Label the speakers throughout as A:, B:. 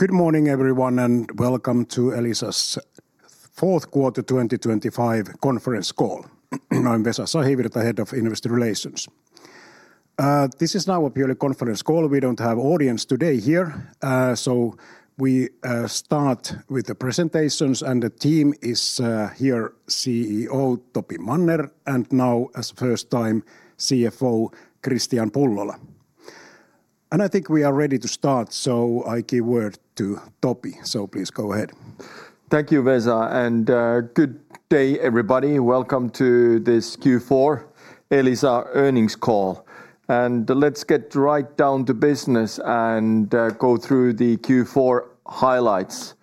A: Good morning, everyone, and welcome to Elisa's fourth quarter 2025 conference call. I'm Vesa Sahivirta, Head of Investor Relations. This is now a purely conference call. We don't have audience today here, so we start with the presentations, and the team is here, CEO Topi Manner, and now, as first time, CFO Kristian Pullola. I think we are ready to start, so I give word to Topi. Please go ahead.
B: Thank you, Vesa, and good day, everybody. Welcome to this Q4 Elisa earnings call. Let's get right down to business and go through the Q4 highlights.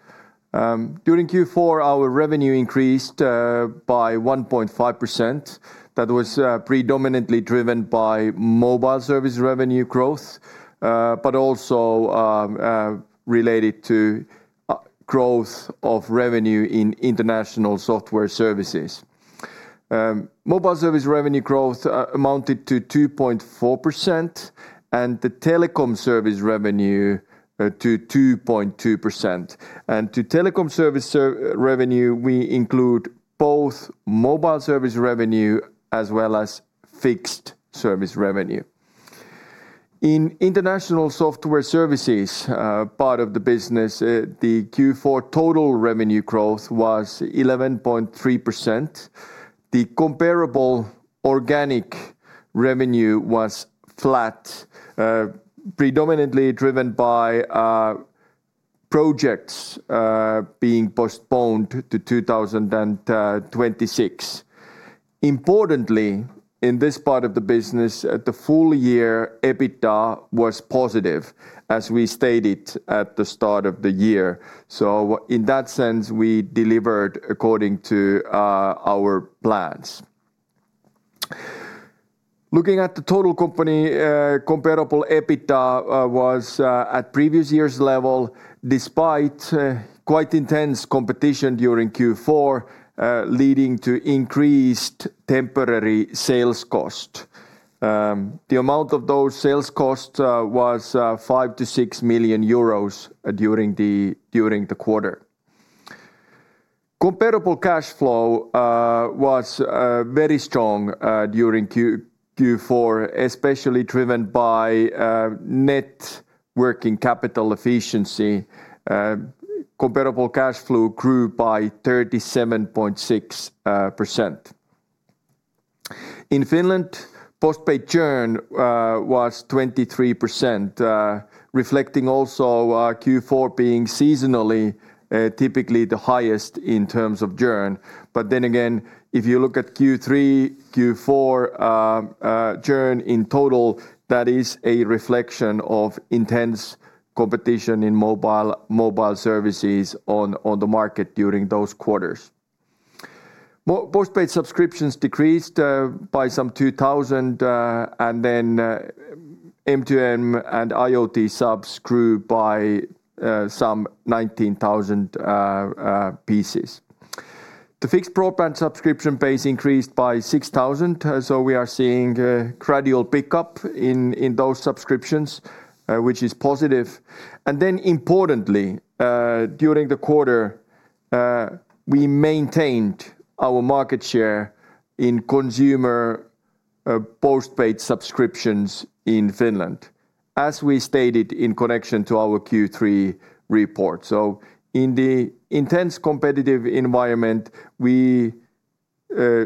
B: During Q4, our revenue increased by 1.5%. That was predominantly driven by mobile service revenue growth, but also related to growth of revenue in international software services. Mobile service revenue growth amounted to 2.4%, and the telecom service revenue to 2.2%. To telecom service revenue, we include both mobile service revenue as well as fixed service revenue. In international software services, part of the business, the Q4 total revenue growth was 11.3%. The comparable organic revenue was flat, predominantly driven by projects being postponed to 2026. Importantly, in this part of the business, the full year EBITDA was positive, as we stated at the start of the year. So in that sense, we delivered according to our plans. Looking at the total company, comparable EBITDA was at previous year's level, despite quite intense competition during Q4, leading to increased temporary sales cost. The amount of those sales costs was 5 million-6 million euros during the quarter. Comparable cash flow was very strong during Q4, especially driven by net working capital efficiency. Comparable cash flow grew by 37.6%. In Finland, postpaid churn was 23%, reflecting also Q4 being seasonally, typically the highest in terms of churn. But then again, if you look at Q3, Q4, churn in total, that is a reflection of intense competition in mobile services on the market during those quarters. Postpaid subscriptions decreased by some 2,000, and then M2M and IoT subs grew by some 19,000 pieces. The fixed broadband subscription base increased by 6,000, so we are seeing a gradual pickup in those subscriptions, which is positive. And then importantly, during the quarter, we maintained our market share in consumer postpaid subscriptions in Finland, as we stated in connection to our Q3 report. So in the intense competitive environment, we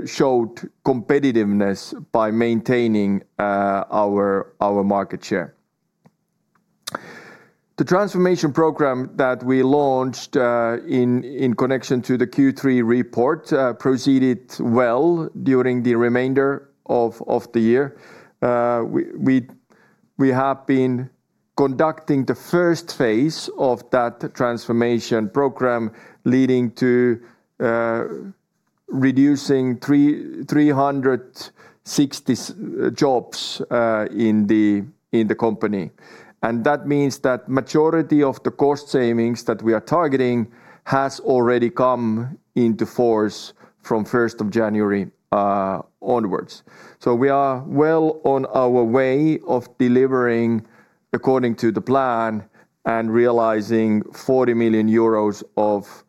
B: showed competitiveness by maintaining our market share. The transformation program that we launched in connection to the Q3 report proceeded well during the remainder of the year. We have been conducting the first phase of that transformation program, leading to reducing 360 jobs in the company. That means that majority of the cost savings that we are targeting has already come into force from January 1st onwards. We are well on our way of delivering according to the plan and realizing 40 million euros of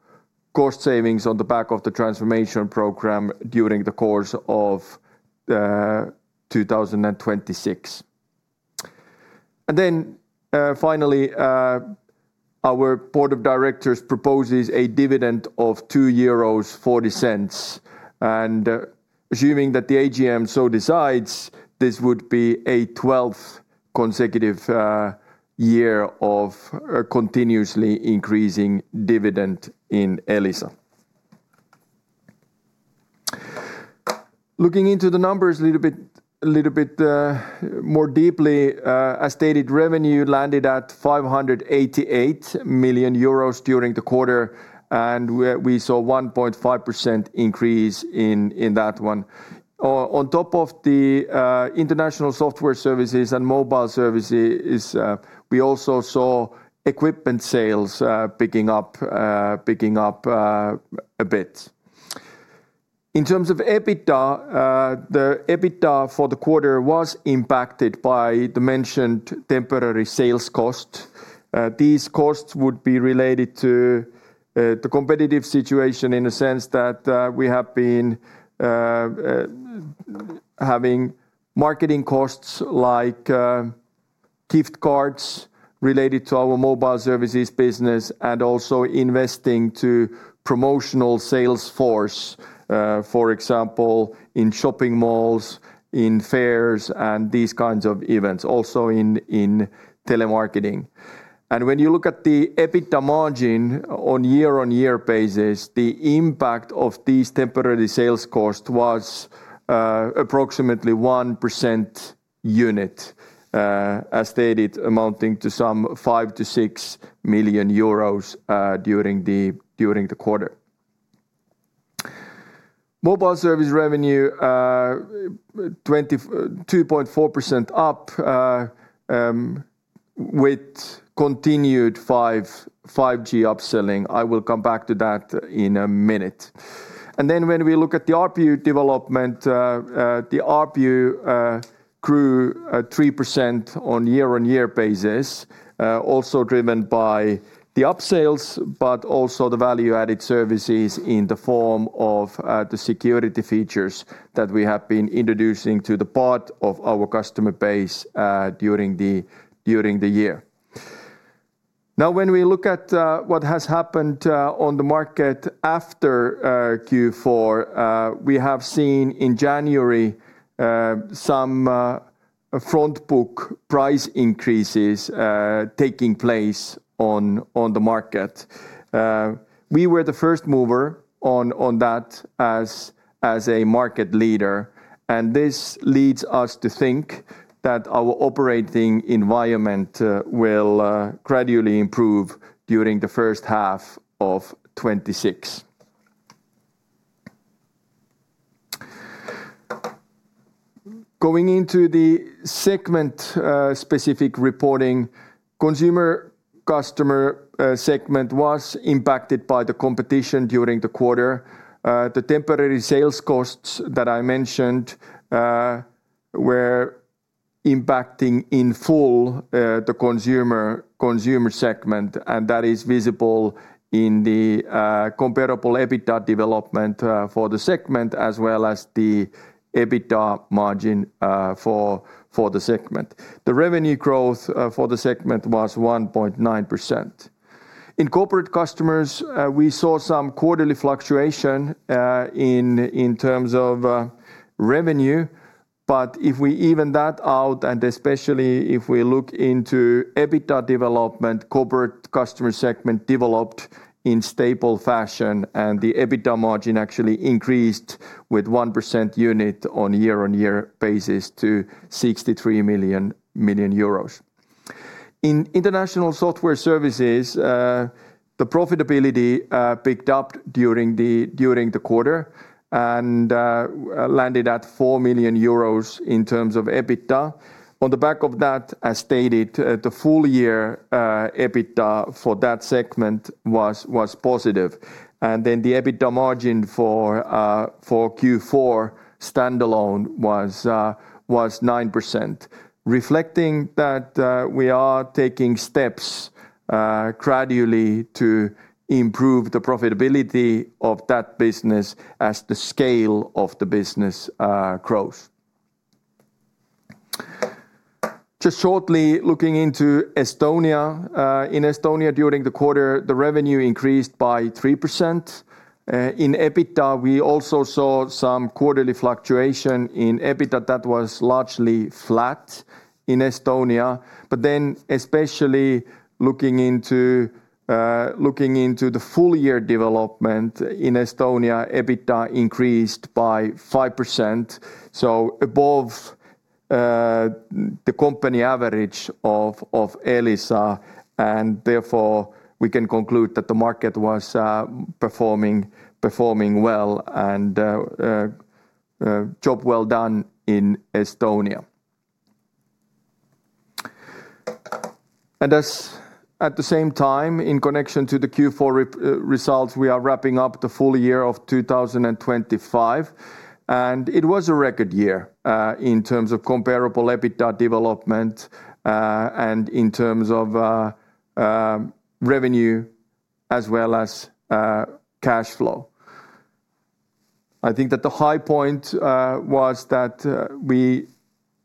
B: cost savings on the back of the transformation program during the course of 2026. Then, finally, our board of directors proposes a dividend of 2.40 euros. Assuming that the AGM so decides, this would be a 12th consecutive year of a continuously increasing dividend in Elisa. Looking into the numbers a little bit, a little bit, more deeply, as stated, revenue landed at 588 million euros during the quarter, and we, we saw 1.5% increase in, in that one. On, on top of the, international software services and mobile services, we also saw equipment sales, picking up, picking up, a bit. In terms of EBITDA, the EBITDA for the quarter was impacted by the mentioned temporary sales cost. These costs would be related to, the competitive situation in a sense that, we have been, having marketing costs like, gift cards related to our mobile services business, and also investing to promotional sales force, for example, in shopping malls, in fairs, and these kinds of events, also in, in telemarketing. When you look at the EBITDA margin on year-on-year basis, the impact of these temporary sales cost was approximately 1% unit, as stated, amounting to some 5-6 million euros during the quarter. Mobile service revenue 2.4% up with continued 5G upselling. I will come back to that in a minute. And then when we look at the ARPU development, the ARPU grew 3% on year-on-year basis, also driven by the upsales, but also the value-added services in the form of the security features that we have been introducing to the part of our customer base during the year. Now, when we look at what has happened on the market after Q4, we have seen in January some front book price increases taking place on the market. We were the first mover on that as a market leader, and this leads us to think that our operating environment will gradually improve during the first half of 2026. Going into the segment specific reporting, consumer customer segment was impacted by the competition during the quarter. The temporary sales costs that I mentioned were impacting in full the consumer consumer segment, and that is visible in the comparable EBITDA development for the segment, as well as the EBITDA margin for the segment. The revenue growth for the segment was 1.9%. In corporate customers, we saw some quarterly fluctuation in terms of revenue. But if we even that out, and especially if we look into EBITDA development, corporate customer segment developed in stable fashion, and the EBITDA margin actually increased by 1 percentage point on year-on-year basis to 63 million. In international software services, the profitability picked up during the quarter and landed at 4 million euros in terms of EBITDA. On the back of that, as stated, the full year EBITDA for that segment was positive. And then the EBITDA margin for Q4 standalone was 9%, reflecting that we are taking steps gradually to improve the profitability of that business as the scale of the business grows. Just shortly looking into Estonia. In Estonia, during the quarter, the revenue increased by 3%. In EBITDA, we also saw some quarterly fluctuation. In EBITDA, that was largely flat in Estonia. But then especially looking into the full year development in Estonia, EBITDA increased by 5%, so above the company average of Elisa, and therefore, we can conclude that the market was performing well, and job well done in Estonia. And at the same time, in connection to the Q4 results, we are wrapping up the full year of 2025, and it was a record year in terms of comparable EBITDA development, and in terms of revenue as well as cash flow. I think that the high point was that we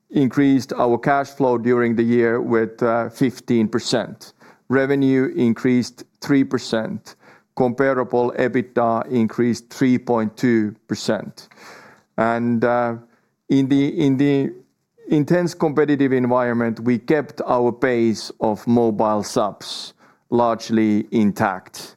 B: increased our cash flow during the year with 15%. Revenue increased 3%. Comparable EBITDA increased 3.2%. And, in the intense competitive environment, we kept our pace of mobile subs largely intact.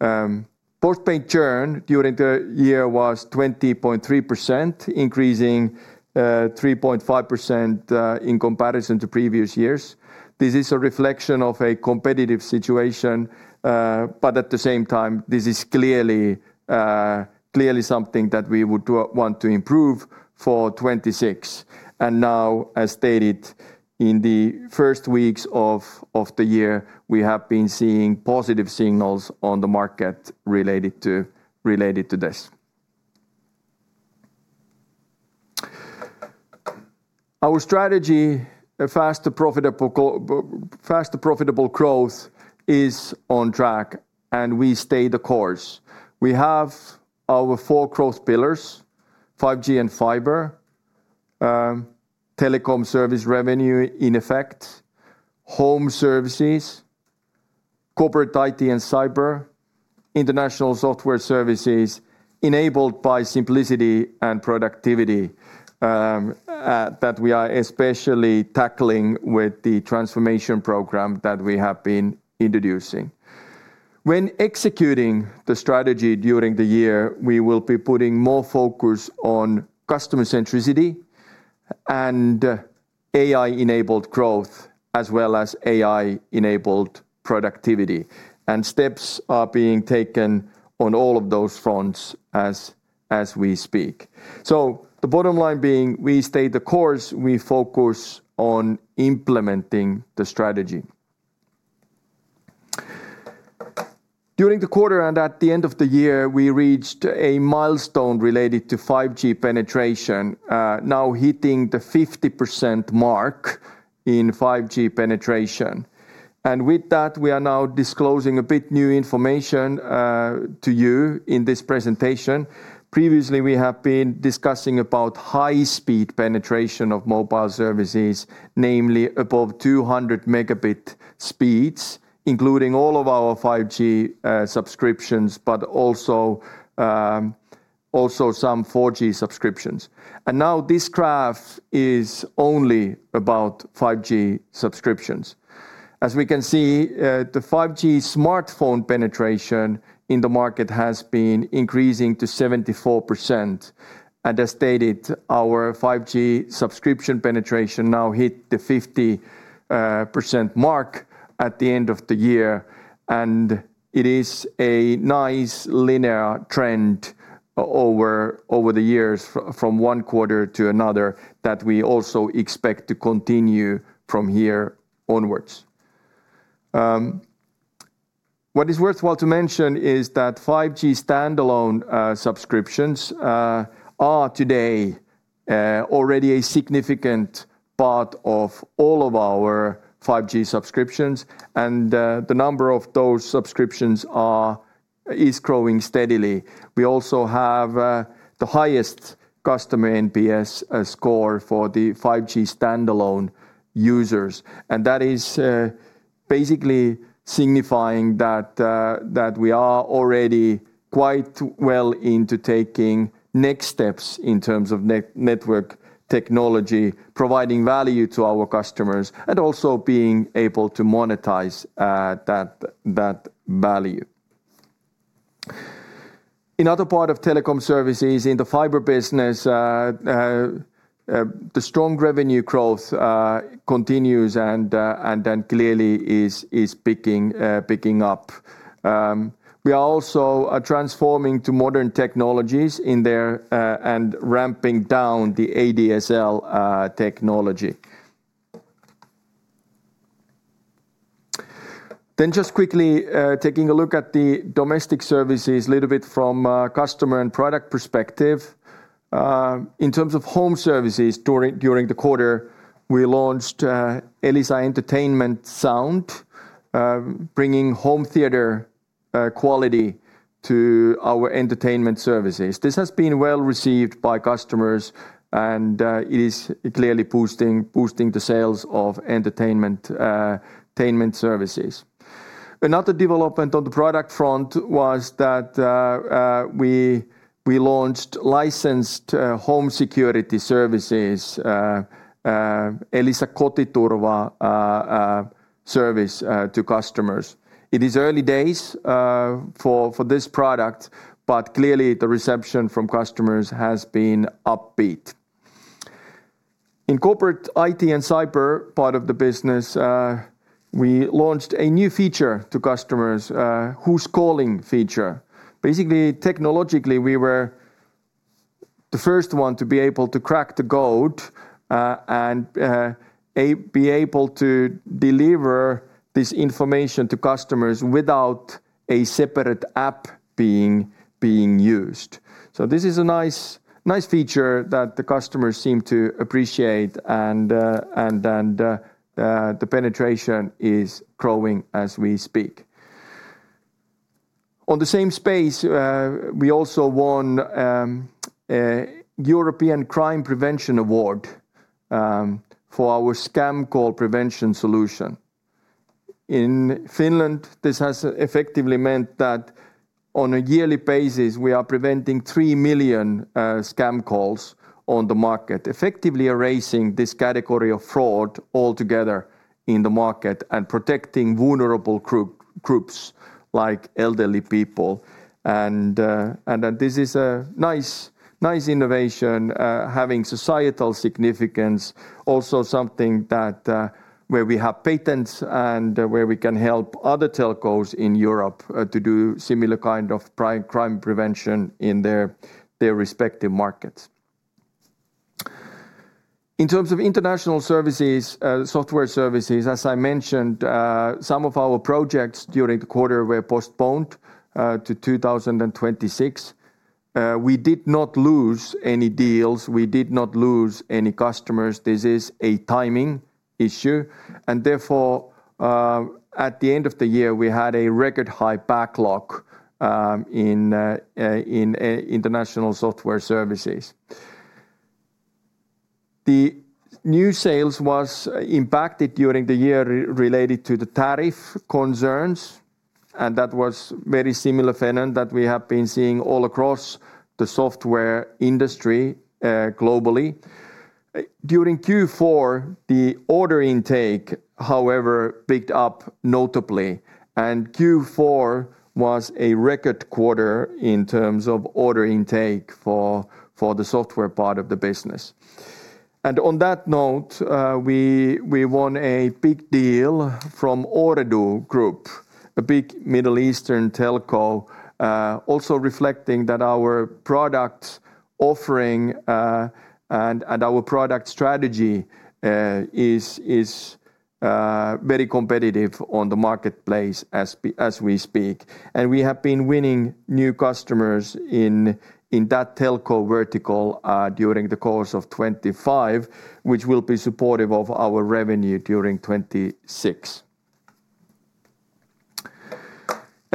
B: Postpaid churn during the year was 20.3%, increasing 3.5% in comparison to previous years. This is a reflection of a competitive situation, but at the same time, this is clearly something that we would want to improve for 2026. And now, as stated, in the first weeks of the year, we have been seeing positive signals on the market related to this. Our strategy, faster profitable growth, is on track, and we stay the course. We have our four growth pillars: 5G and fiber, telecom service revenue in effect, home services, corporate IT and cyber, international software services enabled by simplicity and productivity, that we are especially tackling with the transformation program that we have been introducing. When executing the strategy during the year, we will be putting more focus on customer centricity and AI-enabled growth, as well as AI-enabled productivity, and steps are being taken on all of those fronts as we speak. So the bottom line being, we stay the course, we focus on implementing the strategy. During the quarter and at the end of the year, we reached a milestone related to 5G penetration, now hitting the 50% mark in 5G penetration. And with that, we are now disclosing a bit new information, to you in this presentation. Previously, we have been discussing about high-speed penetration of mobile services, namely above 200 Mb speeds, including all of our 5G subscriptions, but also some 4G subscriptions. Now this graph is only about 5G subscriptions. As we can see, 5G smartphone penetration in the market has been increasing to 74%. And as stated, our 5G subscription penetration now hit the 50% mark at the end of the year, and it is a nice linear trend over the years from one quarter to another, that we also expect to continue from here onwards. What is worthwhile to mention is that 5G standalone subscriptions are today already a significant part of all of our 5G subscriptions, and the number of those subscriptions is growing steadily. We also have the highest customer NPS score for the 5G standalone users, and that is basically signifying that we are already quite well into taking next steps in terms of network technology, providing value to our customers, and also being able to monetize that value. In other part of telecom services, in the fiber business, the strong revenue growth continues and then clearly is picking up. We are also transforming to modern technologies in there and ramping down the ADSL technology. Then just quickly taking a look at the domestic services, a little bit from a customer and product perspective. In terms of home services, during the quarter, we launched Elisa Entertainment Sound, bringing home theater quality to our entertainment services. This has been well received by customers, and it is clearly boosting the sales of entertainment services. Another development on the product front was that we launched licensed home security services, Elisa Kotiturva service, to customers. It is early days for this product, but clearly the reception from customers has been upbeat. In corporate IT and cyber part of the business, we launched a new feature to customers, Who's Calling feature. Basically, technologically, we were the first one to be able to crack the code and be able to deliver this information to customers without a separate app being used. So this is a nice feature that the customers seem to appreciate, and the penetration is growing as we speak. On the same space, we also won a European Crime Prevention Award for our scam call prevention solution. In Finland, this has effectively meant that on a yearly basis, we are preventing 3 million scam calls on the market, effectively erasing this category of fraud altogether in the market and protecting vulnerable groups like elderly people. This is a nice innovation having societal significance, also something that where we have patents and where we can help other telcos in Europe to do similar kind of crime prevention in their respective markets. In terms of international services, software services, as I mentioned, some of our projects during the quarter were postponed to 2026. We did not lose any deals. We did not lose any customers. This is a timing issue, and therefore, at the end of the year, we had a record-high backlog in International Software Services. The new sales was impacted during the year related to the tariff concerns, and that was very similar pattern that we have been seeing all across the software industry globally. During Q4, the order intake, however, picked up notably, and Q4 was a record quarter in terms of order intake for the software part of the business. And on that note, we won a big deal from Ooredoo Group, a big Middle Eastern telco, also reflecting that our product offering and our product strategy is very competitive on the marketplace as we speak. We have been winning new customers in that telco vertical during the course of 2025, which will be supportive of our revenue during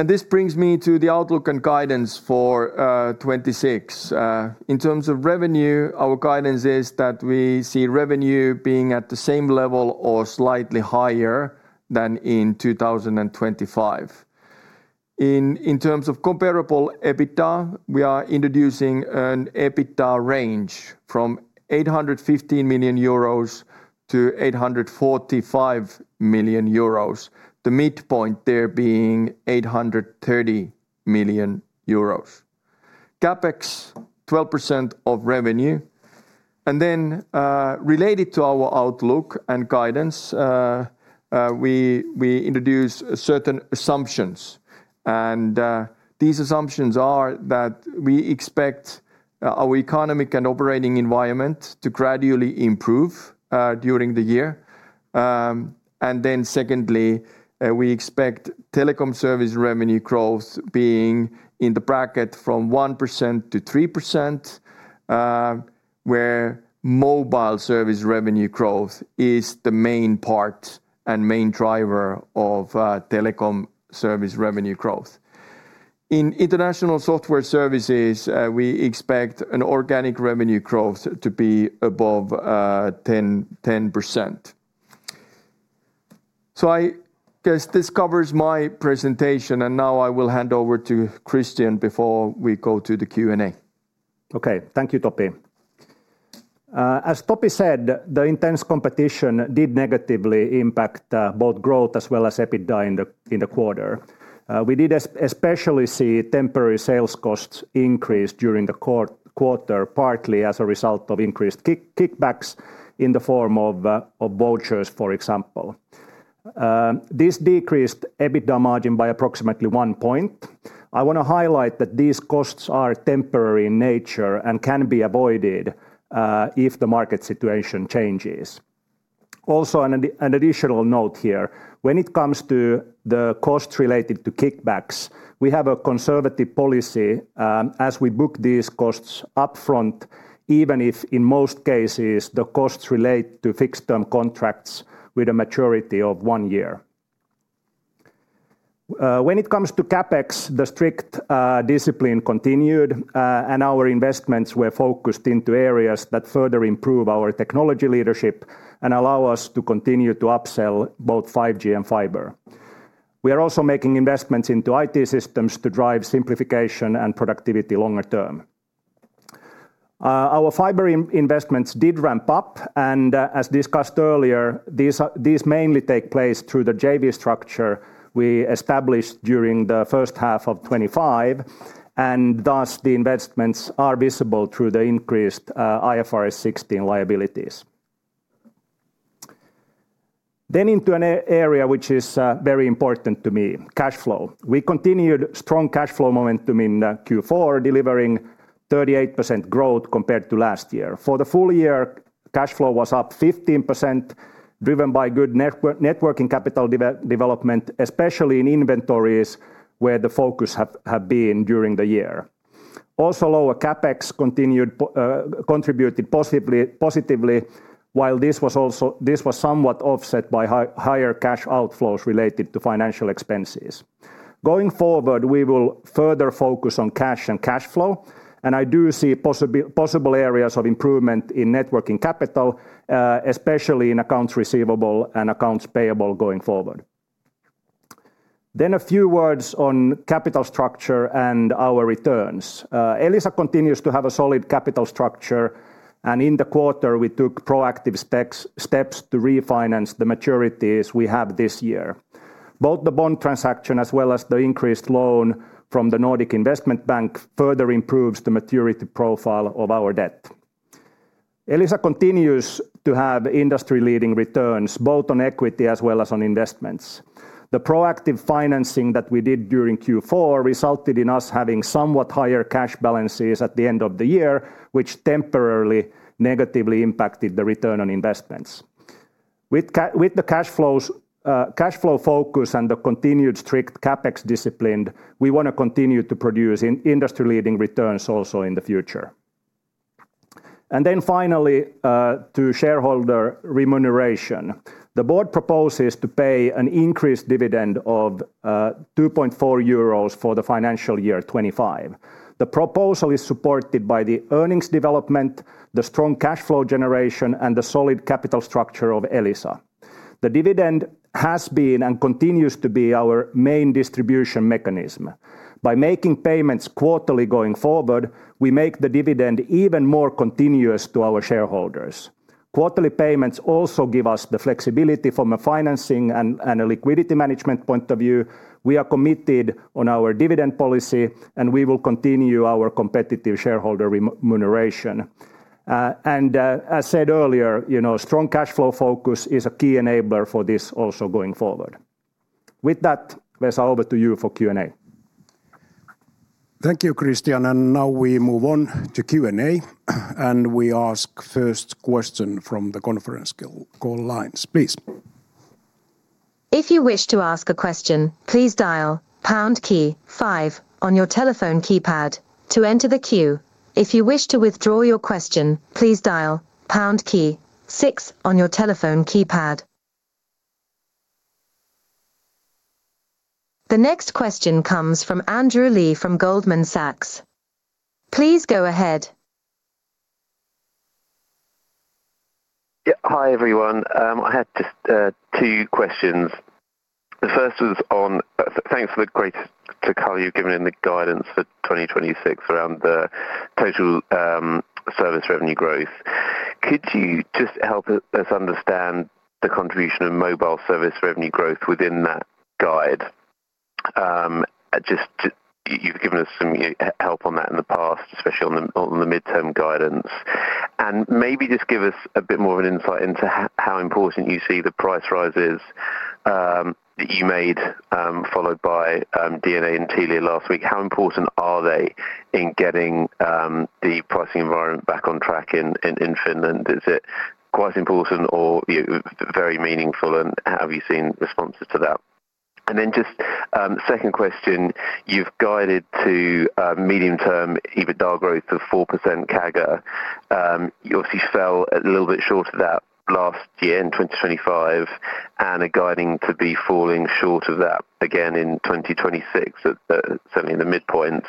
B: 2026. This brings me to the outlook and guidance for 2026. In terms of revenue, our guidance is that we see revenue being at the same level or slightly higher than in 2025. In terms of comparable EBITDA, we are introducing an EBITDA range from 850 million-845 million euros, the midpoint there being 830 million euros. CapEx, 12% of revenue. Then, related to our outlook and guidance, we introduce certain assumptions, and these assumptions are that we expect our economic and operating environment to gradually improve during the year. And then secondly, we expect telecom service revenue growth being in the bracket from 1%-3%, where mobile service revenue growth is the main part and main driver of telecom service revenue growth. In international software services, we expect an organic revenue growth to be above 10%. So I guess this covers my presentation, and now I will hand over to Kristian before we go to the Q&A.
C: Okay. Thank you, Topi. As Topi said, the intense competition did negatively impact both growth as well as EBITDA in the quarter. We did especially see temporary sales costs increase during the quarter, partly as a result of increased kickbacks in the form of vouchers, for example. This decreased EBITDA margin by approximately 1 point. I wanna highlight that these costs are temporary in nature and can be avoided if the market situation changes. Also, an additional note here: when it comes to the costs related to kickbacks, we have a conservative policy, as we book these costs upfront, even if, in most cases, the costs relate to fixed-term contracts with a maturity of 1 year. When it comes to CapEx, the strict discipline continued, and our investments were focused into areas that further improve our technology leadership and allow us to continue to upsell both 5G and fiber. We are also making investments into IT systems to drive simplification and productivity longer term. Our fiber investments did ramp up, and, as discussed earlier, these mainly take place through the JV structure we established during the first half of 2025, and thus the investments are visible through the increased IFRS 16 liabilities. Then into an area which is very important to me, cash flow. We continued strong cash flow momentum in Q4, delivering 38% growth compared to last year. For the full year, cash flow was up 15%, driven by good net working capital development, especially in inventories, where the focus have been during the year. Also, lower CapEx contributed positively, while this was also, this was somewhat offset by higher cash outflows related to financial expenses. Going forward, we will further focus on cash and cash flow, and I do see possible areas of improvement in net working capital, especially in accounts receivable and accounts payable going forward. Then a few words on capital structure and our returns. Elisa continues to have a solid capital structure, and in the quarter, we took proactive steps to refinance the maturities we have this year. Both the bond transaction, as well as the increased loan from the Nordic Investment Bank, further improves the maturity profile of our debt. Elisa continues to have industry-leading returns, both on equity as well as on investments. The proactive financing that we did during Q4 resulted in us having somewhat higher cash balances at the end of the year, which temporarily negatively impacted the return on investments. With the cash flows, cash flow focus and the continued strict CapEx discipline, we want to continue to produce industry-leading returns also in the future. And then finally, to shareholder remuneration. The board proposes to pay an increased dividend of 2.4 euros for the financial year 2025. The proposal is supported by the earnings development, the strong cash flow generation, and the solid capital structure of Elisa. The dividend has been and continues to be our main distribution mechanism. By making payments quarterly going forward, we make the dividend even more continuous to our shareholders. Quarterly payments also give us the flexibility from a financing and a liquidity management point of view. We are committed on our dividend policy, and we will continue our competitive shareholder remuneration. As said earlier, you know, strong cash flow focus is a key enabler for this also going forward. With that, Vesa, over to you for Q&A.
A: Thank you, Kristian. Now we move on to Q&A, and we ask first question from the conference call, call lines, please.
D: If you wish to ask a question, please dial pound key five on your telephone keypad to enter the queue. If you wish to withdraw your question, please dial pound key six on your telephone keypad. The next question comes from Andrew Lee from Goldman Sachs. Please go ahead.
E: Yeah. Hi, everyone. I had just two questions. The first was on, thanks for the great color you've given in the guidance for 2026 around the total service revenue growth. Could you just help us understand the contribution of mobile service revenue growth within that guide? Just to, you've given us some help on that in the past, especially on the midterm guidance. And maybe just give us a bit more of an insight into how important you see the price rises that you made, followed by DNA and Telia last week. How important are they in getting the pricing environment back on track in Finland? Is it quite important or, you know, very meaningful, and have you seen responses to that? And then just, second question: you've guided to, medium-term EBITDA growth of 4% CAGR. You obviously fell a little bit short of that last year in 2025, and are guiding to be falling short of that again in 2026, at, certainly in the midpoint.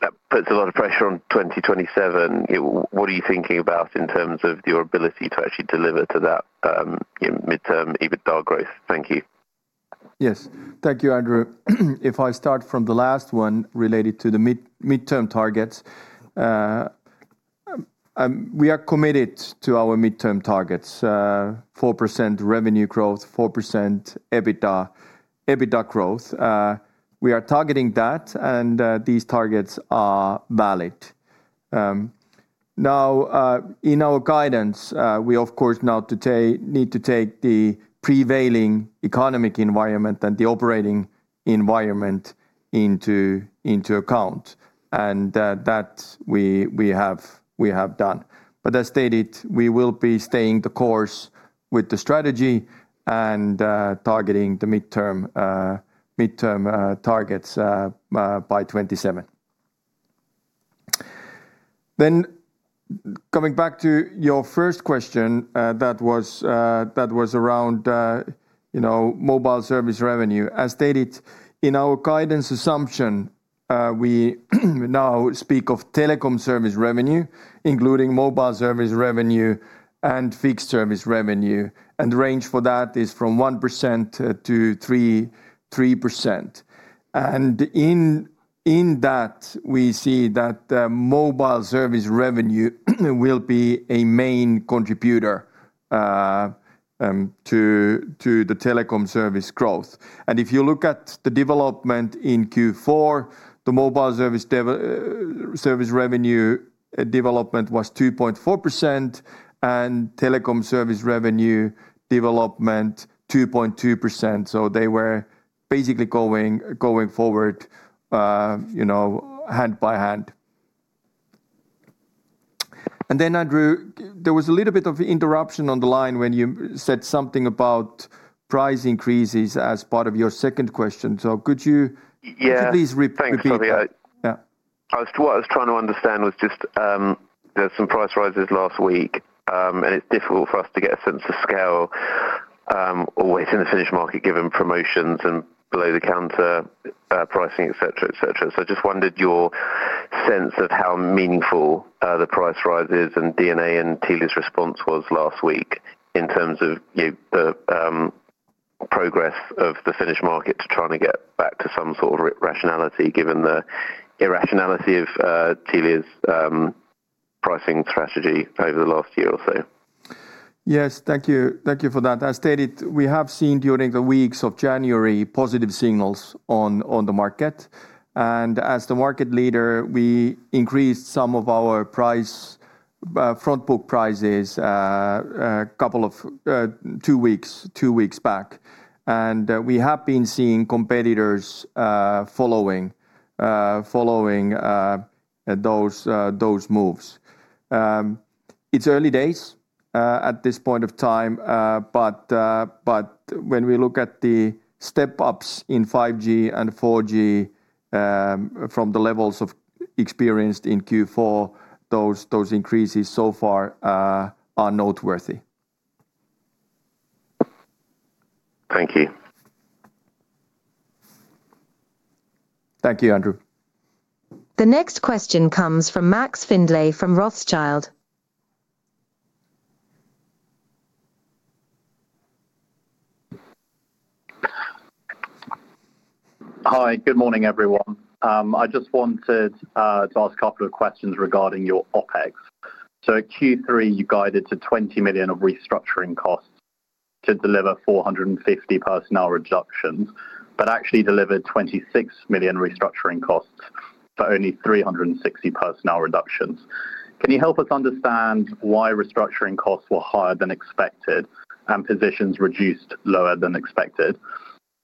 E: That puts a lot of pressure on 2027. What are you thinking about in terms of your ability to actually deliver to that, you know, midterm EBITDA growth? Thank you.
B: Yes. Thank you, Andrew. If I start from the last one related to the midterm targets, we are committed to our midterm targets, 4% revenue growth, 4% EBITDA growth. We are targeting that, and these targets are valid. Now, in our guidance, we of course need to take the prevailing economic environment and the operating environment into account, and that we have done. But as stated, we will be staying the course with the strategy and targeting the midterm targets by 2027. Then coming back to your first question, that was around, you know, mobile service revenue. As stated, in our guidance assumption, we now speak of telecom service revenue, including mobile service revenue and fixed service revenue, and the range for that is from 1%-3%. And in that, we see that mobile service revenue will be a main contributor to the telecom service growth. And if you look at the development in Q4, the mobile service revenue development was 2.4%, and telecom service revenue development, 2.2%. So they were basically going forward, you know, hand by hand. And then, Andrew, there was a little bit of interruption on the line when you said something about price increases as part of your second question. So could you-
E: Yeah.
B: Could you please repeat?
E: Thanks.
B: Yeah.
E: What I was trying to understand was just, there were some price rises last week, and it's difficult for us to get a sense of scale, always in the Finnish market, given promotions and below the counter pricing, et cetera, et cetera. So I just wondered your sense of how meaningful the price rises and DNA and Telia's response was last week in terms of the progress of the Finnish market to trying to get back to some sort of rationality, given the irrationality of Telia's pricing strategy over the last year or so.
B: Yes. Thank you. Thank you for that. As stated, we have seen during the weeks of January positive signals on the market. And as the market leader, we increased some of our price front book prices a couple of two weeks two weeks back. And we have been seeing competitors following those moves. It's early days at this point of time, but, but when we look at the step ups in 5G and 4G, from the levels of experienced in Q4, those, those increases so far are noteworthy. Thank you.
C: Thank you, Andrew.
D: The next question comes from Max Findlay from Rothschild.
F: Hi, good morning, everyone. I just wanted to ask a couple of questions regarding your OpEx. So Q3, you guided to 20 million of restructuring costs to deliver 450 personnel reductions, but actually delivered 26 million restructuring costs for only 360 personnel reductions. Can you help us understand why restructuring costs were higher than expected and positions reduced lower than expected?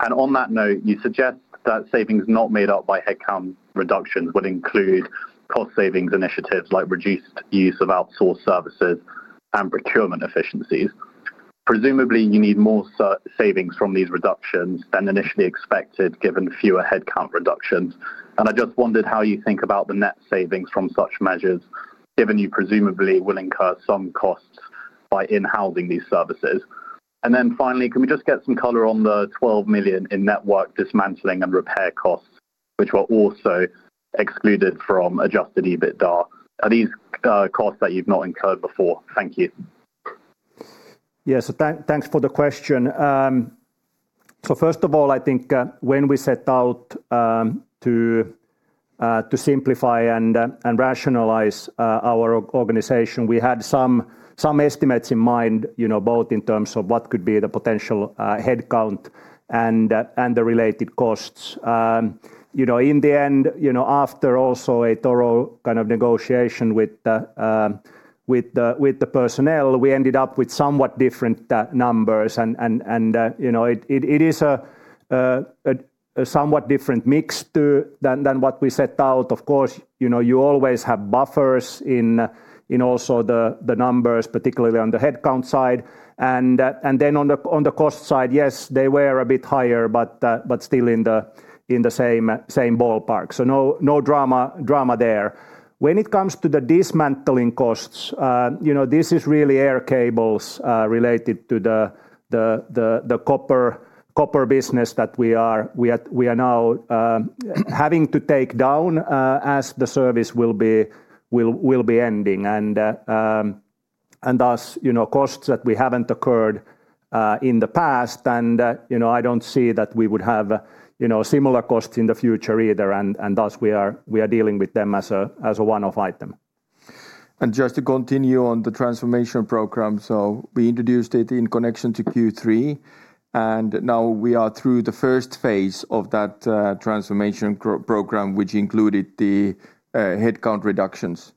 F: And on that note, you suggest that savings not made up by headcount reductions would include cost savings initiatives, like reduced use of outsourced services and procurement efficiencies. Presumably, you need more savings from these reductions than initially expected, given fewer headcount reductions. And I just wondered how you think about the net savings from such measures, given you presumably will incur some costs by in-housing these services. And then finally, can we just get some color on the 12 million in network dismantling and repair costs, which were also excluded from adjusted EBITDA? Are these, costs that you've not incurred before? Thank you.
C: Yeah, so thanks for the question. So first of all, I think, when we set out, to simplify and rationalize, our organization, we had some estimates in mind, you know, both in terms of what could be the potential headcount and the related costs. You know, in the end, you know, after also a thorough kind of negotiation with the personnel, we ended up with somewhat different numbers and, you know, it is a somewhat different mix than what we set out. Of course, you know, you always have buffers in also the numbers, particularly on the headcount side. On the cost side, yes, they were a bit higher, but still in the same ballpark. So no drama there. When it comes to the dismantling costs, you know, this is really aerial cables related to the copper business that we are now having to take down as the service will be ending. And thus, you know, costs that we haven't incurred in the past, and, you know, I don't see that we would have similar costs in the future either, and thus, we are dealing with them as a one-off item.
B: And just to continue on the transformation program, so we introduced it in connection to Q3, and now we are through the first phase of that transformation program, which included the headcount reductions.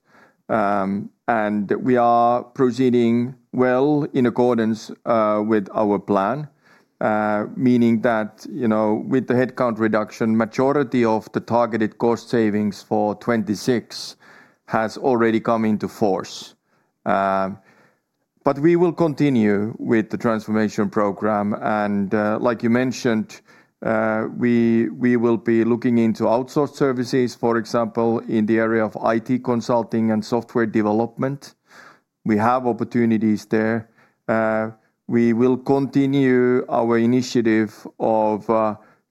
B: And we are proceeding well in accordance with our plan, meaning that, you know, with the headcount reduction, majority of the targeted cost savings for 2026 has already come into force. But we will continue with the transformation program, and, like you mentioned, we will be looking into outsourced services, for example, in the area of IT consulting and software development. We have opportunities there. We will continue our initiative of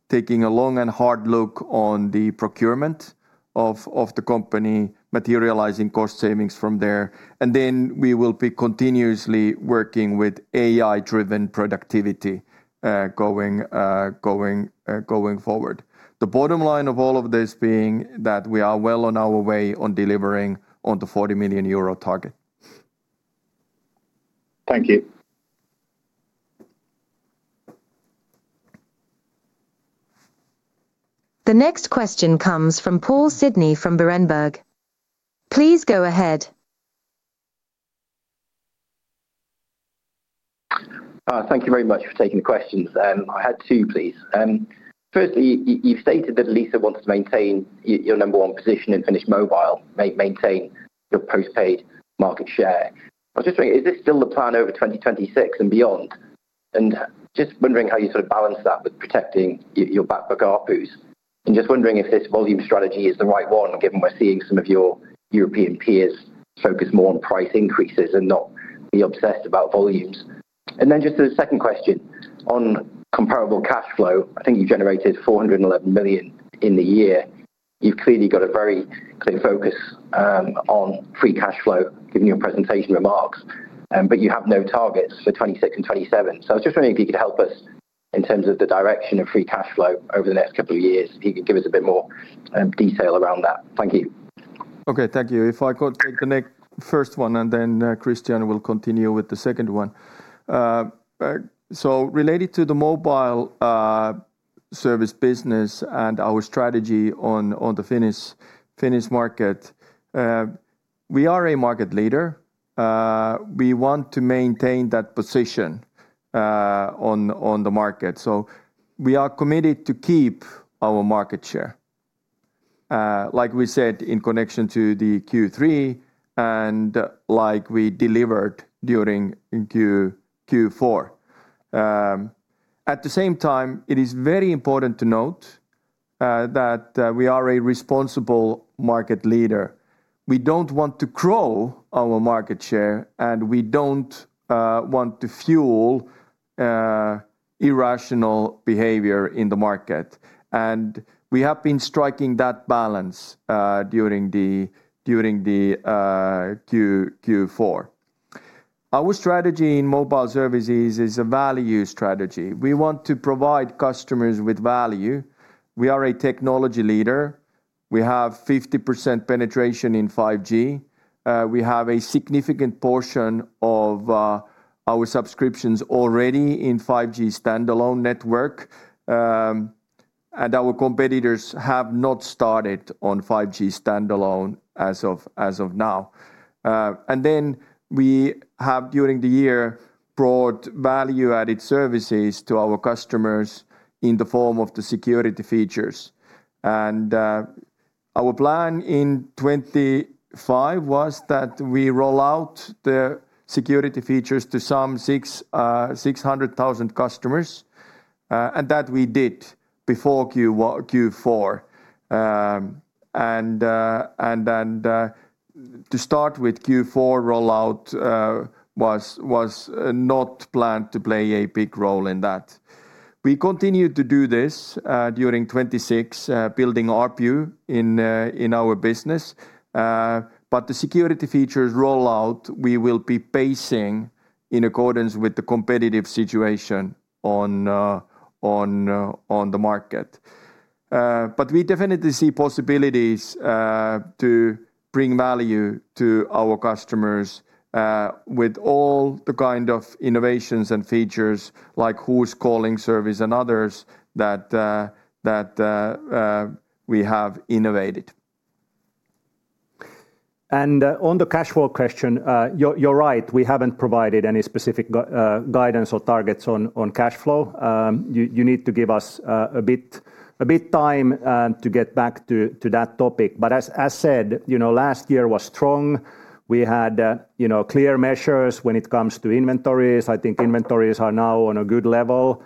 B: taking a long and hard look on the procurement of the company, materializing cost savings from there. And then we will be continuously working with AI-driven productivity going forward. The bottom line of all of this being that we are well on our way on delivering on the 40 million euro target.
F: Thank you.
D: The next question comes from Paul Sidney from Berenberg. Please go ahead.
G: Thank you very much for taking the questions. I had two, please. Firstly, you've stated that Elisa wants to maintain your number one position in Finnish mobile, maintain your postpaid market share. I was just wondering, is this still the plan over 2026 and beyond? And just wondering how you sort of balance that with protecting your backbook ARPU. I'm just wondering if this volume strategy is the right one, given we're seeing some of your European peers focus more on price increases and not be obsessed about volumes. And then just as a second question, on comparable cash flow, I think you generated 411 million in the year. You've clearly got a very clear focus on free cash flow, given your presentation remarks, but you have no targets for 2026 and 2027. I was just wondering if you could help us in terms of the direction of free cash flow over the next couple of years? If you could give us a bit more detail around that? Thank you.
B: Okay, thank you. If I could take the next first one, and then, Kristian will continue with the second one. So related to the mobile service business and our strategy on the Finnish market, we are a market leader. We want to maintain that position on the market. So we are committed to keep our market share, like we said, in connection to the Q3 and like we delivered during Q4. At the same time, it is very important to note that we are a responsible market leader. We don't want to grow our market share, and we don't want to fuel irrational behavior in the market. And we have been striking that balance during Q4. Our strategy in mobile services is a value strategy. We want to provide customers with value. We are a technology leader. We have 50% penetration in 5G. We have a significant portion of our subscriptions already in 5G standalone network. Our competitors have not started on 5G standalone as of now. We have, during the year, brought value-added services to our customers in the form of the security features. Our plan in 2025 was that we roll out the security features to some 600,000 customers, and that we did before Q4. To start with, Q4 rollout was not planned to play a big role in that. We continued to do this during 2026, building ARPU in our business. But the security features rollout, we will be pacing in accordance with the competitive situation on the market. But we definitely see possibilities to bring value to our customers with all the kind of innovations and features like Who's Calling service and others that we have innovated.
C: On the cash flow question, you're right, we haven't provided any specific guidance or targets on cash flow. You need to give us a bit time to get back to that topic. But as said, you know, last year was strong. We had, you know, clear measures when it comes to inventories. I think inventories are now on a good level.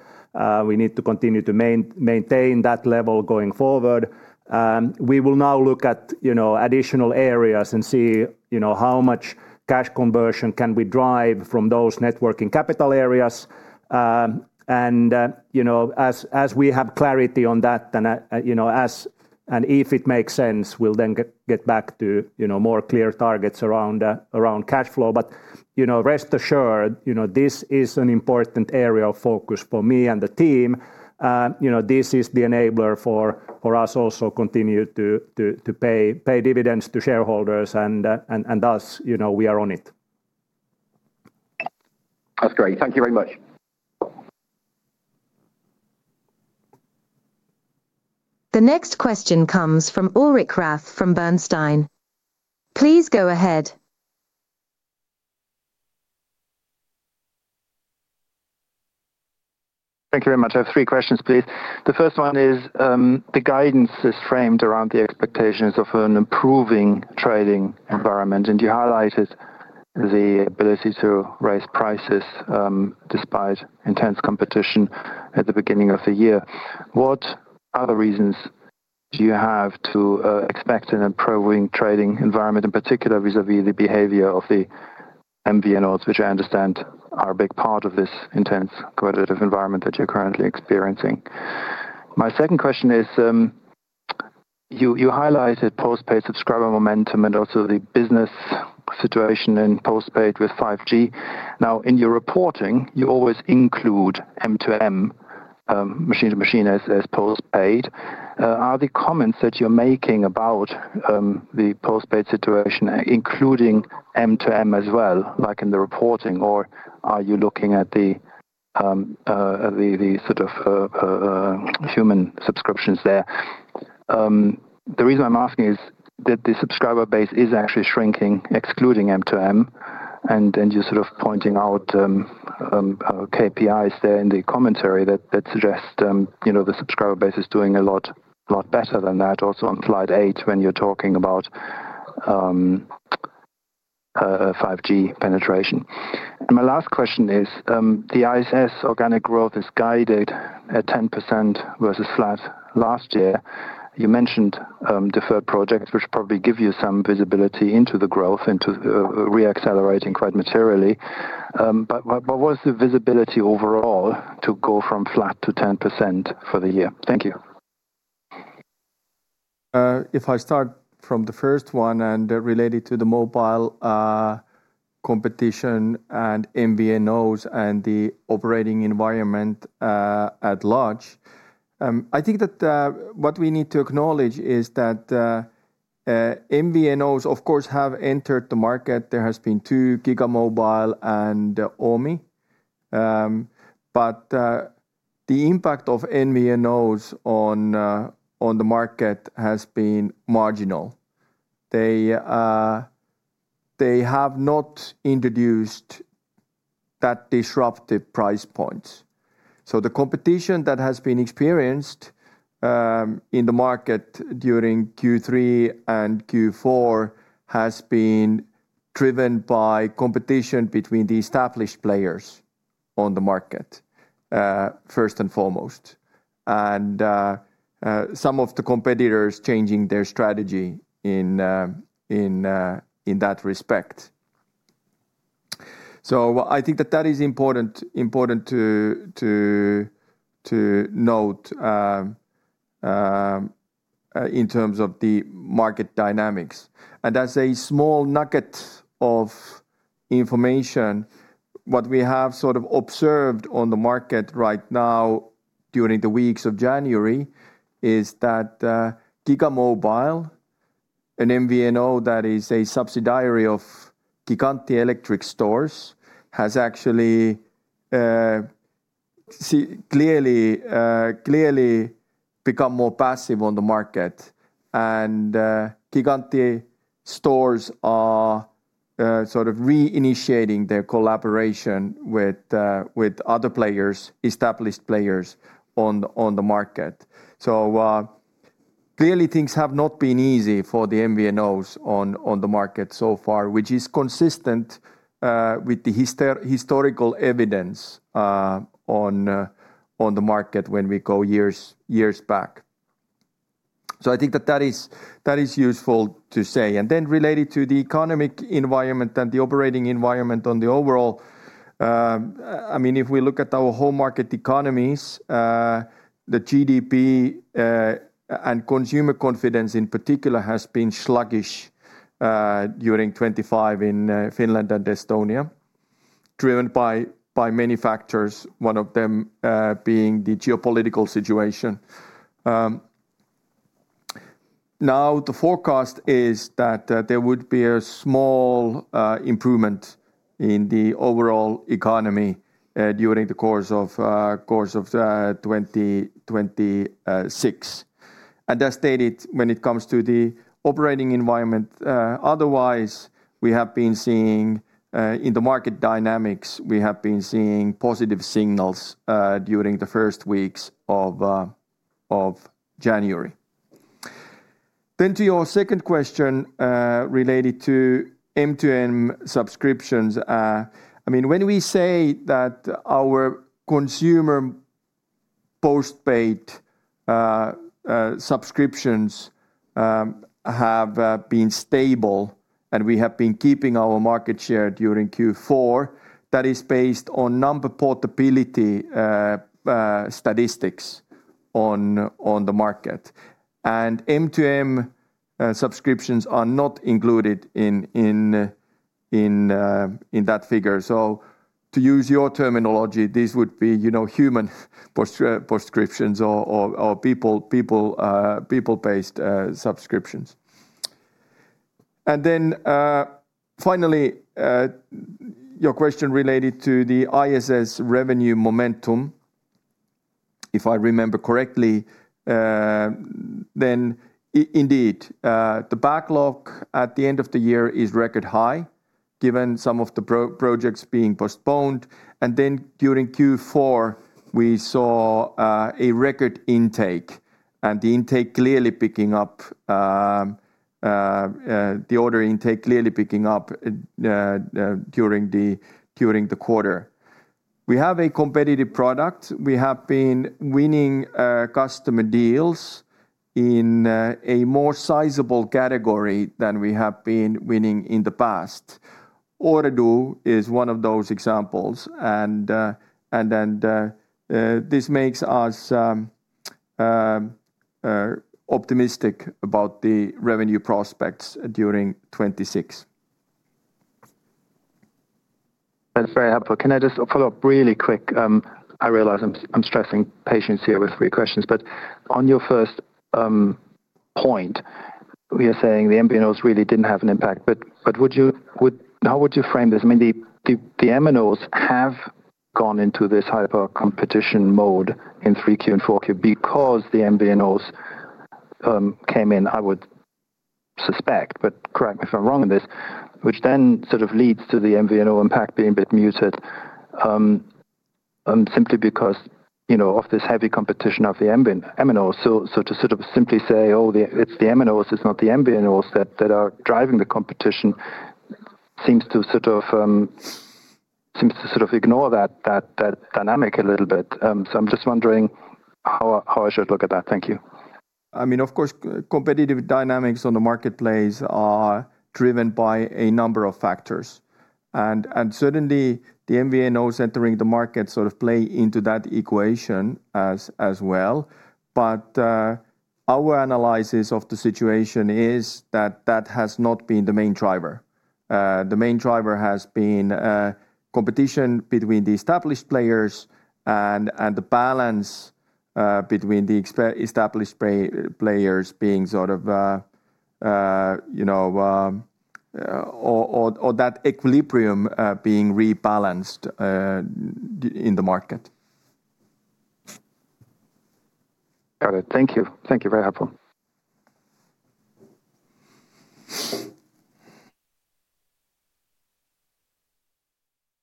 C: We need to continue to maintain that level going forward. We will now look at, you know, additional areas and see, you know, how much cash conversion can we drive from those net working capital areas. And, you know, as we have clarity on that, then, you know, and if it makes sense, we'll then get back to, you know, more clear targets around cash flow. But, you know, rest assured, you know, this is an important area of focus for me and the team. You know, this is the enabler for us to continue to pay dividends to shareholders and thus, you know, we are on it.
G: That's great. Thank you very much.
D: The next question comes from Ulrich Rathe from Bernstein. Please go ahead.
H: Thank you very much. I have three questions, please. The first one is, the guidance is framed around the expectations of an improving trading environment, and you highlighted the ability to raise prices, despite intense competition at the beginning of the year. What other reasons do you have to expect an improving trading environment, in particular, vis-à-vis the behavior of the MVNOs, which I understand are a big part of this intense competitive environment that you're currently experiencing? My second question is, you highlighted postpaid subscriber momentum and also the business situation in postpaid with 5G. Now, in your reporting, you always include M2M, machine to machine as postpaid. Are the comments that you're making about the postpaid situation, including M2M as well, like in the reporting? Or are you looking at the sort of human subscriptions there? The reason I'm asking is that the subscriber base is actually shrinking, excluding M2M, and then you're sort of pointing out KPIs there in the commentary that suggest, you know, the subscriber base is doing a lot better than that, also on slide 8, when you're talking about 5G penetration. And my last question is, the IDS organic growth is guided at 10% versus flat last year. You mentioned deferred projects, which probably give you some visibility into the growth, into re-accelerating quite materially. But what was the visibility overall to go from flat to 10% for the year? Thank you.
B: If I start from the first one and related to the mobile competition and MVNOs and the operating environment at large, I think that what we need to acknowledge is that MVNOs, of course, have entered the market. There has been two, Gigamobile and Moi. But the impact of MVNOs on the market has been marginal. They have not introduced that disruptive price points. So the competition that has been experienced in the market during Q3 and Q4 has been driven by competition between the established players on the market, first and foremost, and some of the competitors changing their strategy in that respect. So I think that that is important to note in terms of the market dynamics. As a small nugget of information, what we have sort of observed on the market right now during the weeks of January, is that Gigamobile, an MVNO that is a subsidiary of Gigantti, has actually clearly become more passive on the market. And Gigantti stores are sort of reinitiating their collaboration with other players, established players on the market. So clearly, things have not been easy for the MVNOs on the market so far, which is consistent with the historical evidence on the market when we go years back. So I think that that is useful to say. And then related to the economic environment and the operating environment overall, I mean, if we look at our home market economies, the GDP and consumer confidence in particular has been sluggish during 2025 in Finland and Estonia, driven by many factors, one of them being the geopolitical situation. Now, the forecast is that there would be a small improvement in the overall economy during the course of 2026. And as stated, when it comes to the operating environment otherwise, we have been seeing... In the market dynamics, we have been seeing positive signals during the first weeks of January. Then to your second question related to M2M subscriptions. I mean, when we say that our consumer postpaid subscriptions have been stable and we have been keeping our market share during Q4, that is based on number portability statistics on the market. And M2M subscriptions are not included in that figure. So to use your terminology, these would be, you know, human postpaid subscriptions or people-based subscriptions. And then finally your question related to the IDS revenue momentum, if I remember correctly, then indeed the backlog at the end of the year is record high, given some of the projects being postponed. And then during Q4, we saw a record intake, and the order intake clearly picking up during the quarter. We have a competitive product. We have been winning customer deals in a more sizable category than we have been winning in the past. Ooredoo is one of those examples. And then this makes us optimistic about the revenue prospects during 2026.
H: That's very helpful. Can I just follow up really quick? I realize I'm stressing patience here with three questions, but on your first point, you're saying the MVNOs really didn't have an impact, but would you How would you frame this? I mean, the MNOs have gone into this hyper competition mode in 3Q and 4Q because the MVNOs came in, I would suspect, but correct me if I'm wrong on this, which then sort of leads to the MVNO impact being a bit muted, simply because, you know, of this heavy competition of the MNO. So to sort of simply say, "Oh, it's the MNOs, it's not the MVNOs that are driving the competition," seems to sort of ignore that dynamic a little bit. So I'm just wondering how I should look at that. Thank you.
B: I mean, of course, competitive dynamics on the marketplace are driven by a number of factors, and certainly, the MVNOs entering the market sort of play into that equation as well. But, our analysis of the situation is that that has not been the main driver. The main driver has been, competition between the established players and the balance between the established players being sort of, you know, or that equilibrium being rebalanced in the market.
H: Got it. Thank you. Thank you, very helpful.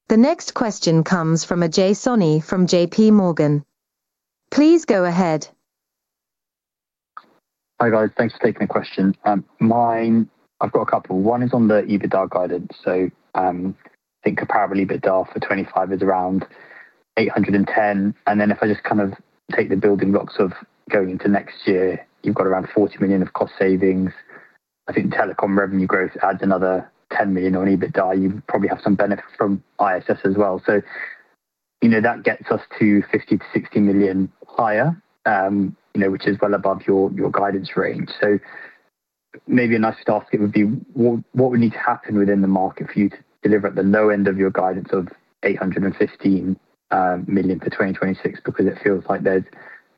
D: The next question comes from Ajay Soni from JPMorgan. Please go ahead.
I: Hi, guys. Thanks for taking the question. Mine, I've got a couple. One is on the EBITDA guidance. So, I think comparably, EBITDA for 2025 is around 810 million. And then if I just kind of take the building blocks of going into next year, you've got around 40 million of cost savings. I think telecom revenue growth adds another 10 million on EBITDA. You probably have some benefit from IDS as well. So, you know, that gets us to 50 million-60 million higher, you know, which is well above your, your guidance range. So maybe a nice start would be what, what would need to happen within the market for you to deliver at the low end of your guidance of 815 million for 2026? Because it feels like there's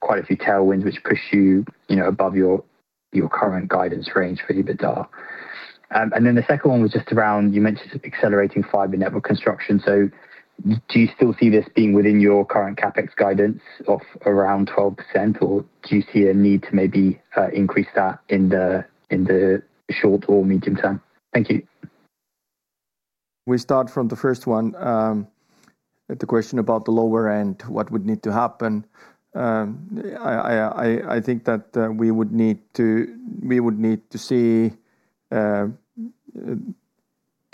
I: quite a few tailwinds which push you, you know, above your current guidance range for EBITDA. And then the second one was just around, you mentioned accelerating fiber network construction. So do you still see this being within your current CapEx guidance of around 12%, or do you see a need to maybe increase that in the short or medium term? Thank you.
B: We start from the first one. The question about the lower end, what would need to happen? I think that we would need to see the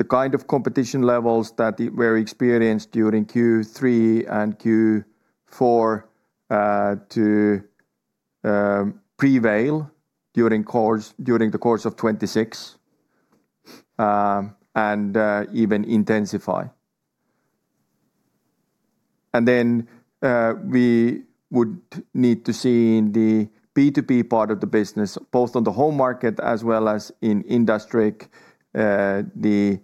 B: kind of competition levels that were experienced during Q3 and Q4 to prevail during the course of 2026 and even intensify. And then we would need to see in the B2B part of the business, both on the home market as well as in industry, the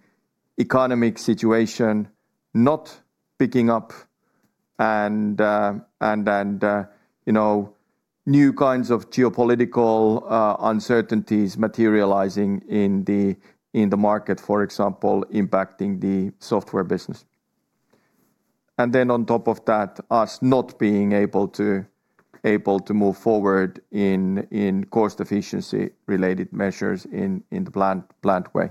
B: economic situation not picking up and you know, new kinds of geopolitical uncertainties materializing in the market, for example, impacting the software business. And then on top of that, us not being able to move forward in cost efficiency related measures in the planned way.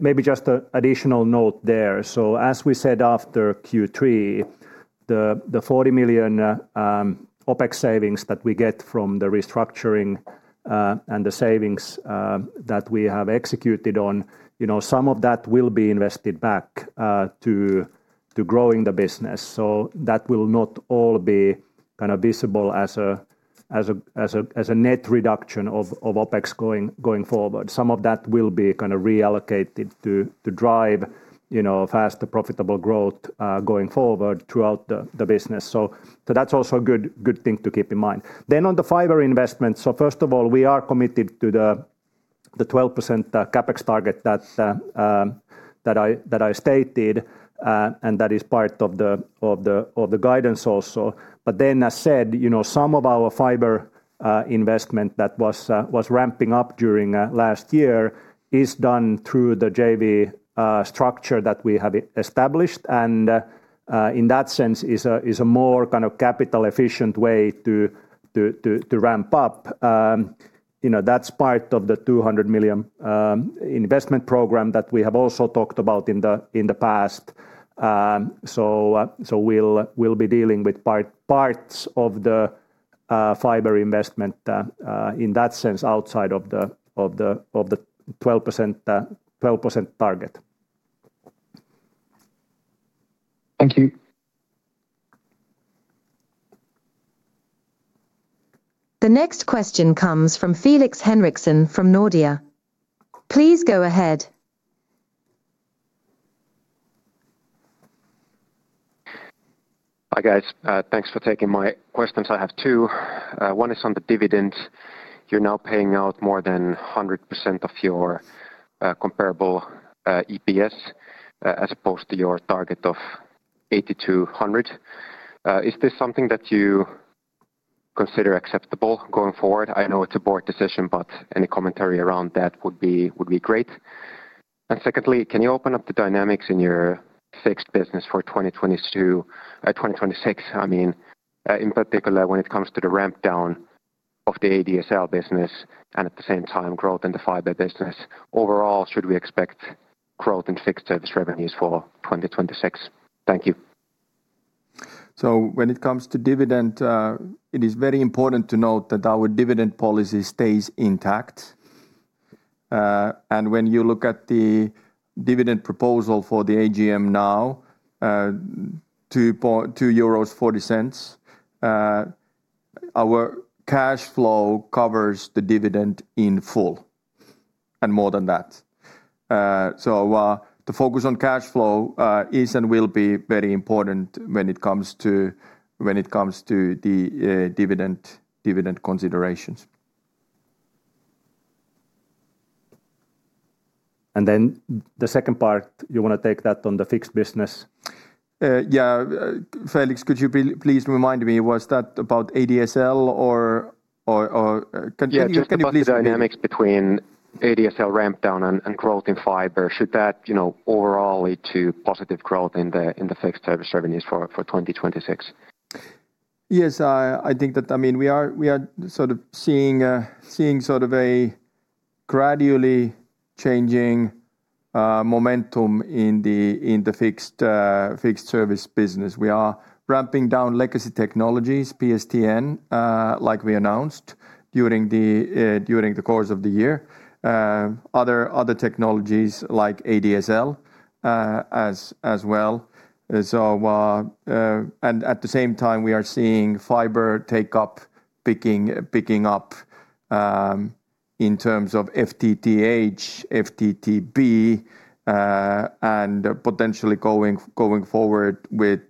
C: Maybe just an additional note there. So as we said after Q3, the 40 million, OpEx savings that we get from the restructuring, and the savings that we have executed on, you know, some of that will be invested back to growing the business. So that will not all be kind of visible as a net reduction of OpEx going forward. Some of that will be kind of reallocated to drive, you know, faster profitable growth going forward throughout the business. So that's also a good thing to keep in mind. Then on the fiber investment, so first of all, we are committed to the 12% CapEx target that I stated, and that is part of the guidance also. But then, as said, you know, some of our fiber investment that was ramping up during last year is done through the JV structure that we have established, and, in that sense, is a more kind of capital efficient way to ramp up. You know, that's part of the 200 million investment program that we have also talked about in the past. So we'll be dealing with parts of the fiber investment in that sense, outside of the 12% target.
I: Thank you.
D: The next question comes from Felix Henriksson from Nordea. Please go ahead.
J: Hi, guys. Thanks for taking my questions. I have two. One is on the dividend. You're now paying out more than 100% of your comparable EPS, as opposed to your target of 80%-100%. Is this something that you consider acceptable going forward? I know it's a board decision, but any commentary around that would be great. And secondly, can you open up the dynamics in your fixed business for 2022, 2026? I mean, in particular, when it comes to the ramp down of the ADSL business and at the same time, growth in the fiber business. Overall, should we expect growth in fixed service revenues for 2026? Thank you.
B: So when it comes to dividend, it is very important to note that our dividend policy stays intact. And when you look at the dividend proposal for the AGM now, 2.40 euros, our cash flow covers the dividend in full and more than that. So, the focus on cash flow is and will be very important when it comes to the dividend considerations. And then the second part, you want to take that on the fixed business?
C: Yeah. Felix, could you please remind me, was that about ADSL or... Can you just-
J: Yeah, just about the dynamics between ADSL ramp down and growth in fiber. Should that, you know, overall lead to positive growth in the fixed service revenues for 2026?
B: Yes, I think that, I mean, we are, we are sort of seeing, seeing sort of a gradually changing momentum in the, in the fixed, fixed service business. We are ramping down legacy technologies, PSTN, like we announced during the, during the course of the year. Other, other technologies like ADSL, as, as well. So, and at the same time, we are seeing fiber take up, picking, picking up, in terms of FTTH, FTTB, and potentially going, going forward with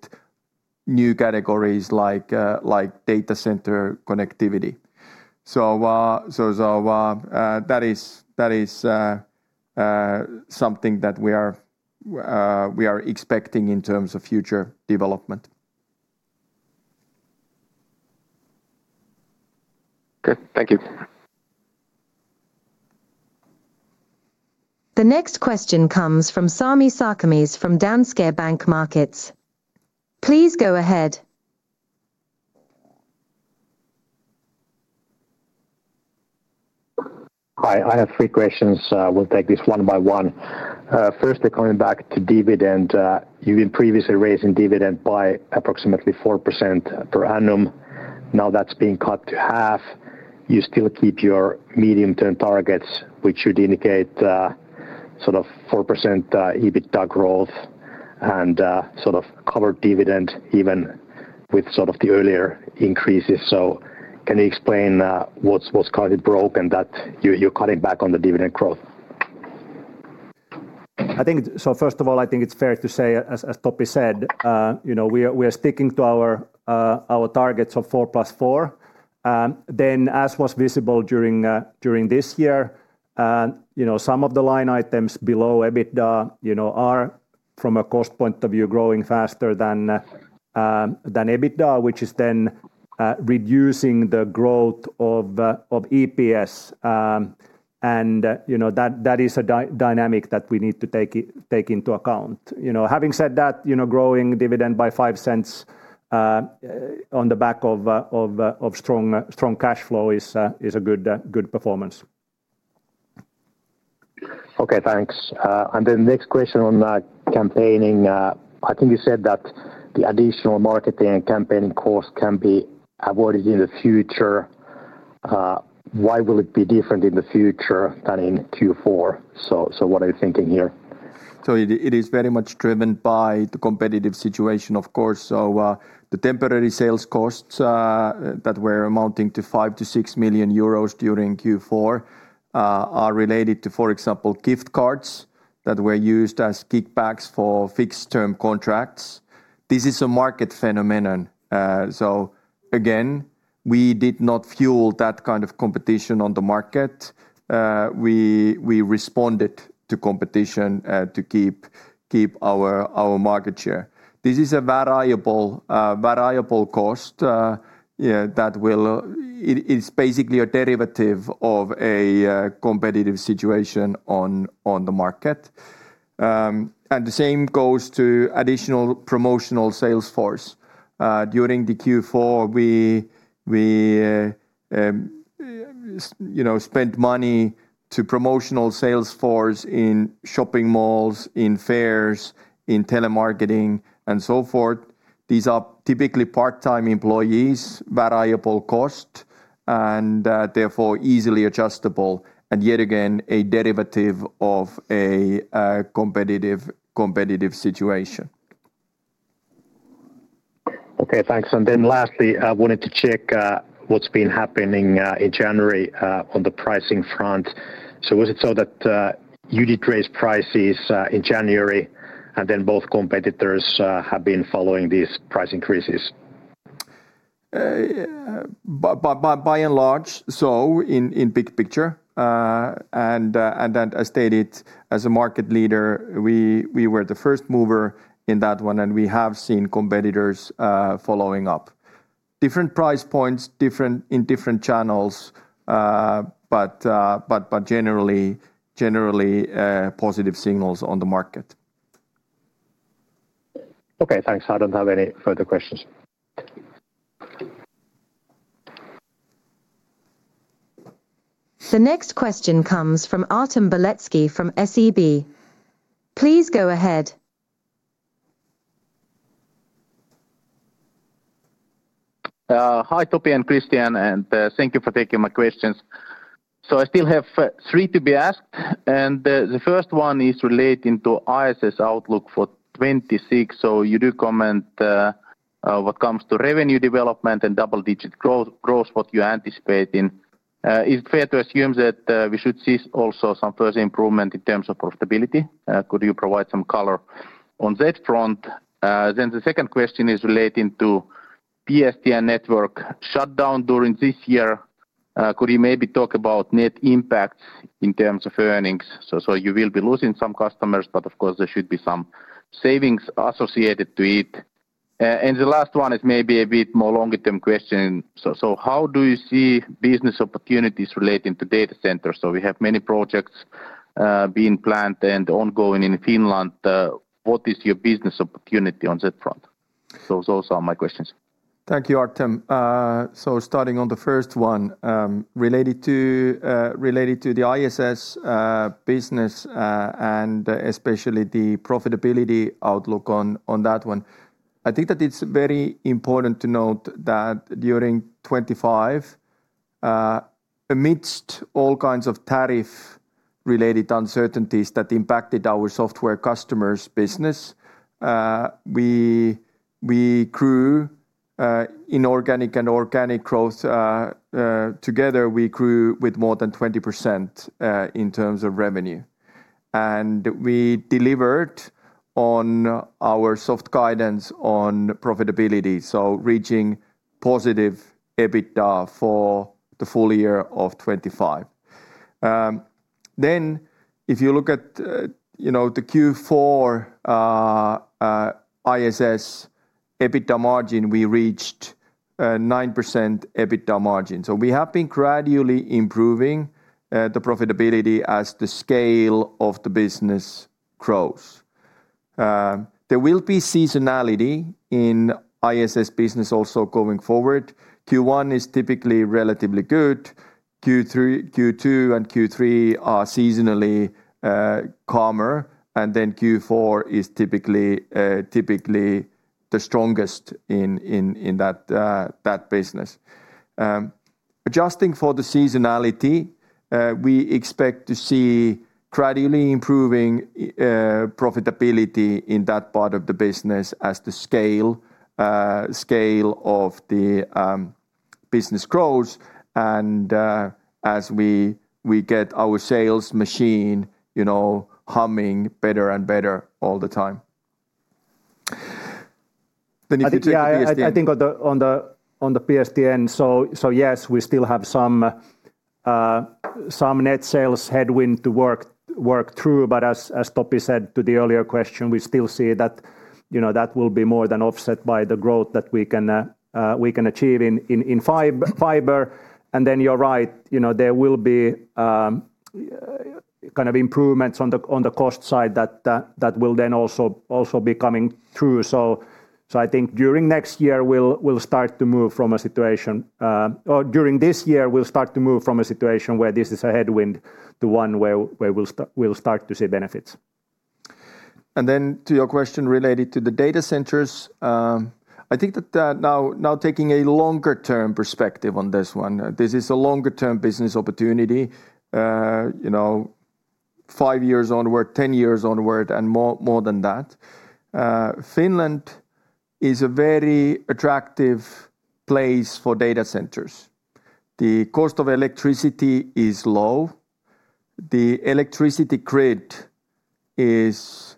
B: new categories like, like data center connectivity. So, so, that is, that is, something that we are, we are expecting in terms of future development.
J: Okay, thank you.
D: The next question comes from Sami Sarkamies from Danske Bank Markets. Please go ahead.
K: Hi, I have three questions. We'll take this one by one. Firstly, coming back to dividend, you've been previously raising dividend by approximately 4% per annum. Now, that's being cut to half. You still keep your medium-term targets, which should indicate, sort of 4%, EBITDA growth and, sort of covered dividend even with sort of the earlier increases. So can you explain, what's caused the break, and that you're cutting back on the dividend growth?
C: I think, so first of all, I think it's fair to say, as Topi said, you know, we are sticking to our targets of 4 + 4. Then, as was visible during this year, and, you know, some of the line items below EBITDA, you know, are from a cost point of view, growing faster than EBITDA, which is then reducing the growth of EPS. And, you know, that is a dynamic that we need to take into account. You know, having said that, you know, growing dividend by 0.05 on the back of strong cash flow is a good performance.
K: Okay, thanks. And then next question on campaigning. I think you said that the additional marketing and campaigning cost can be avoided in the future. Why will it be different in the future than in Q4? So, what are you thinking here?
B: So it is very much driven by the competitive situation, of course. So, the temporary sales costs that were amounting to 5-6 million euros during Q4 are related to, for example, gift cards that were used as kickbacks for fixed-term contracts. This is a market phenomenon. So again, we did not fuel that kind of competition on the market. We responded to competition to keep our market share. This is a variable cost, yeah, that will... It is basically a derivative of a competitive situation on the market. And the same goes to additional promotional sales force. During the Q4, we, you know, spent money to promotional sales force in shopping malls, in fairs, in telemarketing, and so forth. These are typically part-time employees, variable cost, and therefore easily adjustable, and yet again, a derivative of a competitive situation.
K: Okay, thanks. And then lastly, I wanted to check, what's been happening, in January, on the pricing front. So was it so that, you did raise prices, in January, and then both competitors, have been following these price increases?
B: By and large, so in big picture, and then I stated, as a market leader, we were the first mover in that one, and we have seen competitors following up. Different price points, different in different channels, but generally positive signals on the market.
K: Okay, thanks. I don't have any further questions.
D: The next question comes from Artem Beletski, from SEB. Please go ahead.
L: Hi, Topi and Kristian, and thank you for taking my questions. So I still have three to be asked, and the first one is relating to IDS outlook for 2026. So you do comment what comes to revenue development and double-digit growth what you're anticipating. Is it fair to assume that we should see also some further improvement in terms of profitability? Then the second question is relating to PSTN network shutdown during this year. Could you maybe talk about net impacts in terms of earnings? So you will be losing some customers, but of course, there should be some savings associated to it. And the last one is maybe a bit more long-term question. So how do you see business opportunities relating to data centers? So we have many projects being planned and ongoing in Finland, what is your business opportunity on that front? So those are my questions.
B: Thank you, Artem. So starting on the first one, related to, related to the IDS business, and especially the profitability outlook on, on that one. I think that it's very important to note that during 2025, amidst all kinds of tariff-related uncertainties that impacted our software customers' business, we, we grew inorganic and organic growth. Together, we grew with more than 20% in terms of revenue. And we delivered on our soft guidance on profitability, so reaching positive EBITDA for the full year of 2025. Then if you look at, you know, the Q4 IDS EBITDA margin, we reached 9% EBITDA margin. So we have been gradually improving the profitability as the scale of the business grows. There will be seasonality in IDS business also going forward. Q1 is typically relatively good. Q2 and Q3 are seasonally calmer, and then Q4 is typically the strongest in that business. Adjusting for the seasonality, we expect to see gradually improving profitability in that part of the business as the scale of the business grows and as we get our sales machine, you know, humming better and better all the time. Then if you take the PSTN-
C: I think, yeah, I think on the PSTN, so yes, we still have some net sales headwind to work through. But as Topi said to the earlier question, we still see that, you know, that will be more than offset by the growth that we can achieve in fiber. And then you're right, you know, there will be kind of improvements on the cost side that will then also be coming through. So I think during next year, we'll start to move from a situation... or during this year, we'll start to move from a situation where this is a headwind to one where we'll start to see benefits.
B: And then to your question related to the data centers, I think that now taking a longer-term perspective on this one, this is a longer-term business opportunity. You know, 5 years onward, 10 years onward, and more than that. Finland is a very attractive place for data centers. The cost of electricity is low, the electricity grid is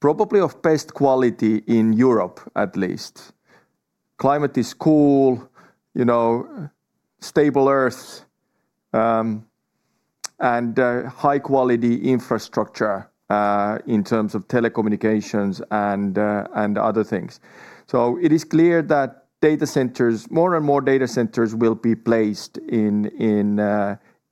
B: probably of best quality in Europe, at least. Climate is cool, you know, stable earth, and high-quality infrastructure in terms of telecommunications and other things. So it is clear that data centers, more and more data centers will be placed in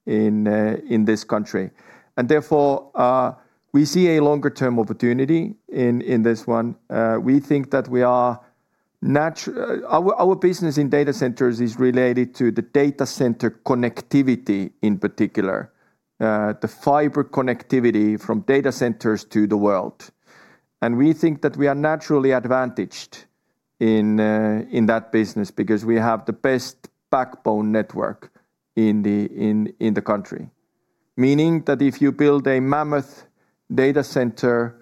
B: this country. And therefore, we see a longer-term opportunity in this one. We think that we are nat... Our business in data centers is related to the data center connectivity, in particular, the fiber connectivity from data centers to the world. And we think that we are naturally advantaged in that business because we have the best backbone network in the country. Meaning that if you build a mammoth data center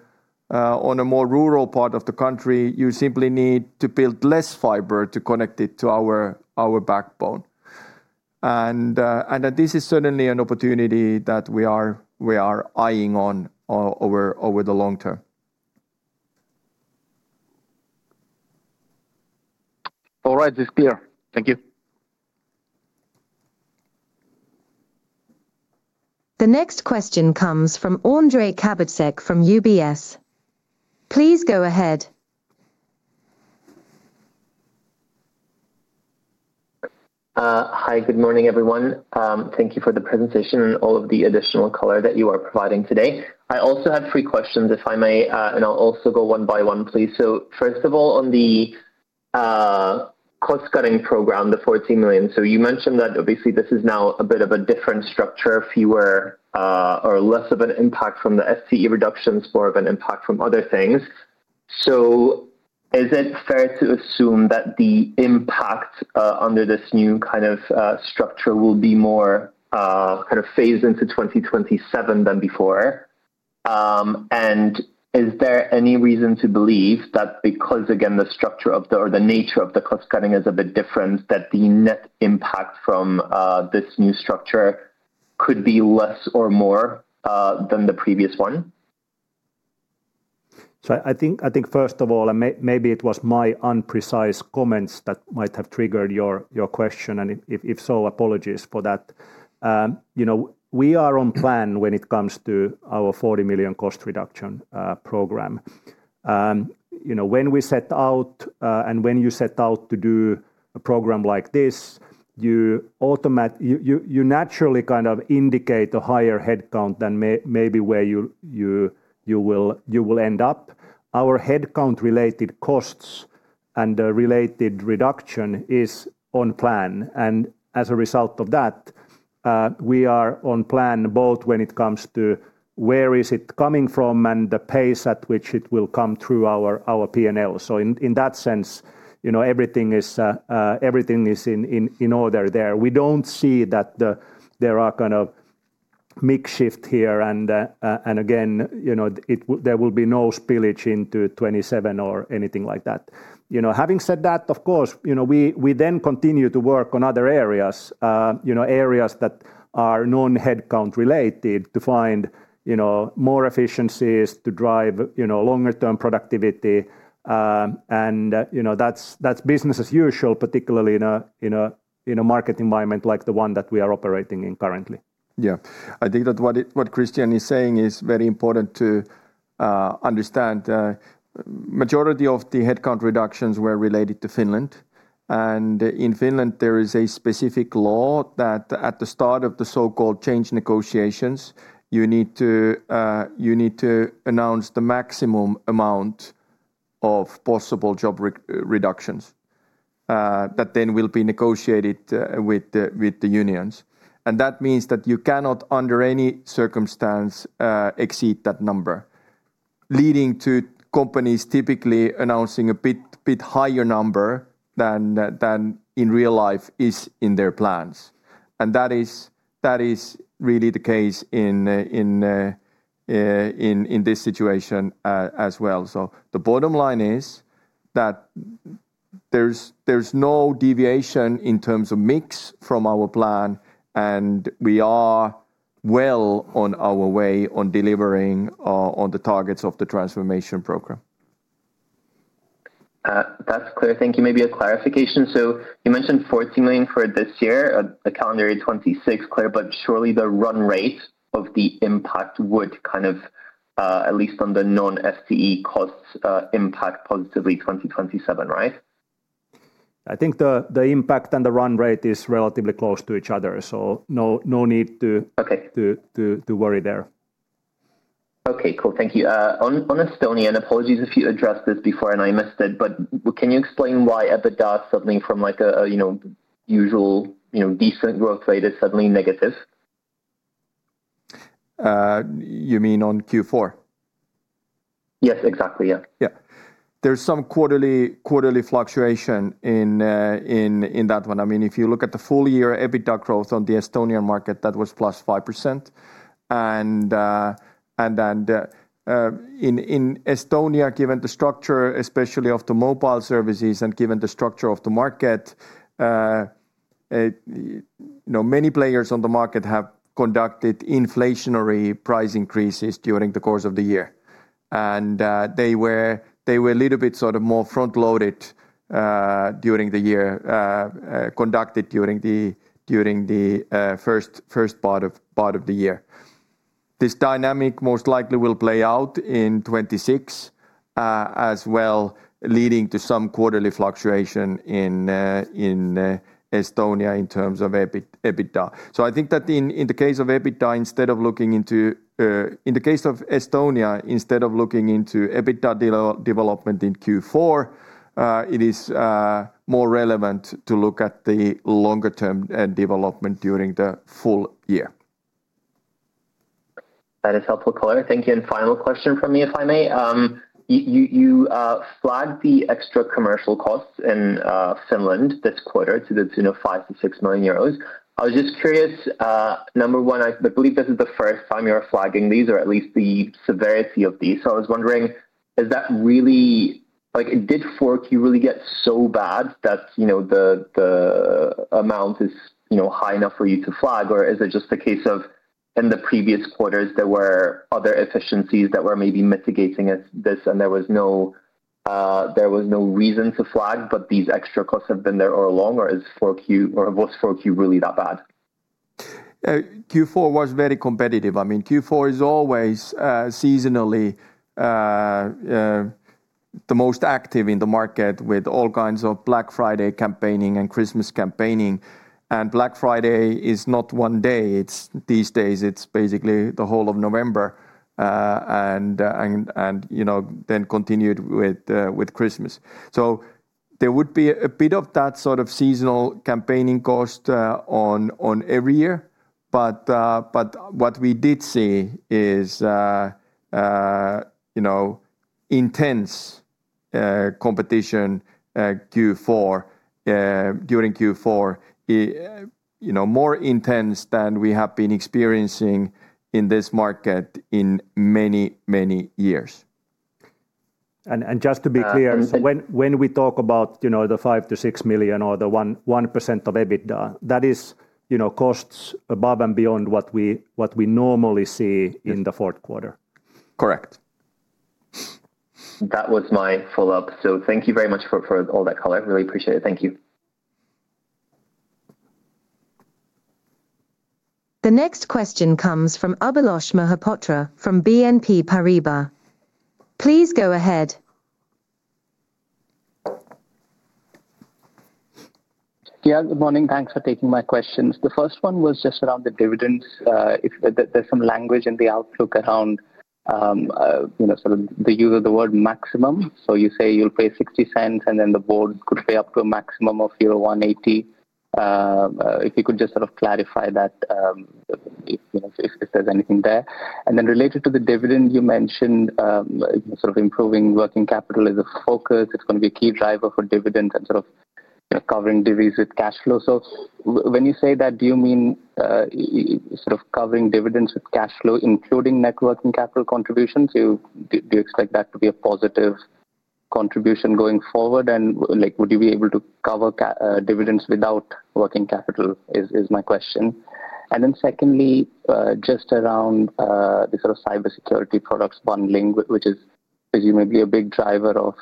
B: on a more rural part of the country, you simply need to build less fiber to connect it to our backbone. And that this is certainly an opportunity that we are eyeing over the long term.
L: All right, it's clear. Thank you.
D: The next question comes from Ondrej Cabejsek from UBS. Please go ahead.
M: Hi, good morning, everyone. Thank you for the presentation and all of the additional color that you are providing today. I also have three questions, if I may, and I'll also go one by one, please. So first of all, on the cost-cutting program, the 40 million. So you mentioned that obviously this is now a bit of a different structure, fewer or less of an impact from the FTE reductions, more of an impact from other things. So is it fair to assume that the impact under this new kind of structure will be more kind of phased into 2027 than before? And is there any reason to believe that because, again, the structure or the nature of the cost cutting is a bit different, that the net impact from this new structure could be less or more than the previous one?
C: So I think first of all, maybe it was my imprecise comments that might have triggered your question, and if so, apologies for that. You know, we are on plan when it comes to our 40 million cost reduction program. You know, when we set out to do a program like this, you naturally kind of indicate a higher headcount than maybe where you will end up. Our headcount related costs and related reduction is on plan, and as a result of that, we are on plan both when it comes to where it is coming from and the pace at which it will come through our P&L. So in that sense, you know, everything is in order there. We don't see that there are kind of major shifts here, and again, you know, there will be no spillage into 2027 or anything like that. You know, having said that, of course, you know, we then continue to work on other areas, you know, areas that are non-headcount related to find, you know, more efficiencies to drive, you know, longer-term productivity. And, you know, that's business as usual, particularly in a market environment like the one that we are operating in currently.
B: Yeah. I think that what Kristian is saying is very important to understand. Majority of the headcount reductions were related to Finland, and in Finland, there is a specific law that at the start of the so-called change negotiations, you need to announce the maximum amount of possible job reductions that then will be negotiated with the unions. And that means that you cannot, under any circumstance, exceed that number, leading to companies typically announcing a bit higher number than in real life is in their plans. And that is really the case in this situation as well. The bottom line is that there's no deviation in terms of mix from our plan, and we are well on our way on delivering on the targets of the transformation program.
M: That's clear. Thank you. Maybe a clarification. So you mentioned 14 million for this year, the calendar in 2026 clear, but surely the run rate of the impact would kind of, at least on the non-FTE costs, impact positively 2027, right?
C: I think the impact and the run rate is relatively close to each other, so no need to to worry there.
M: Okay, cool. Thank you. On Estonia, and apologies if you addressed this before and I missed it, but can you explain why EBITDA suddenly from like a, you know, usual, you know, decent growth rate is suddenly negative?
B: You mean on Q4?
M: Yes, exactly. Yeah.
B: Yeah. There's some quarterly fluctuation in that one. I mean, if you look at the full year EBITDA growth on the Estonian market, that was +5%. And then, in Estonia, given the structure, especially of the mobile services and given the structure of the market, many players on the market have conducted inflationary price increases during the course of the year. And they were a little bit sort of more front-loaded during the year, conducted during the first part of the year. This dynamic most likely will play out in 2026 as well, leading to some quarterly fluctuation in Estonia in terms of EBITDA. So I think that in the case of EBITDA, instead of looking into. In the case of Estonia, instead of looking into EBITDA development in Q4, it is more relevant to look at the longer term development during the full year.
M: That is helpful color. Thank you. And final question from me, if I may. You flagged the extra commercial costs in Finland this quarter to the, you know, 5 million-6 million euros. I was just curious, number one, I believe this is the first time you are flagging these, or at least the severity of these. So I was wondering, is that really like, did Q4 really get so bad that, you know, the amount is, you know, high enough for you to flag? Or is it just a case of in the previous quarters, there were other efficiencies that were maybe mitigating at this, and there was no reason to flag, but these extra costs have been there all along, or was Q4 really that bad?
B: Q4 was very competitive. I mean, Q4 is always, seasonally, the most active in the market with all kinds of Black Friday campaigning and Christmas campaigning. And Black Friday is not one day, it's, these days, it's basically the whole of November, and, you know, then continued with, with Christmas. So there would be a bit of that sort of seasonal campaigning cost, on, on every year. But, but what we did see is, you know, intense, competition, Q4, during Q4. You know, more intense than we have been experiencing in this market in many, many years.
C: And just to be clear, so when we talk about, you know, the 5 million-6 million or the 1% of EBITDA, that is, you know, costs above and beyond what we normally see in the fourth quarter.
B: Correct.
M: That was my follow-up. So thank you very much for, for all that color. I really appreciate it. Thank you.
D: The next question comes from Abhilash Mohapatra from BNP Paribas. Please go ahead.
N: Yeah, good morning. Thanks for taking my questions. The first one was just around the dividends. If there's some language in the outlook around, you know, sort of the use of the word maximum. So you say you'll pay 0.60, and then the board could pay up to a maximum of 1.80. If you could just sort of clarify that, you know, if there's anything there. And then related to the dividend, you mentioned, sort of improving working capital as a focus. It's gonna be a key driver for dividends and sort of, you know, covering divis with cash flow. When you say that, do you mean, sort of covering dividends with cash flow, including net working capital contributions? Do you expect that to be a positive contribution going forward? Like, would you be able to cover dividends without working capital, is my question. Then secondly, just around the sort of cybersecurity products bundling, which is presumably a big driver of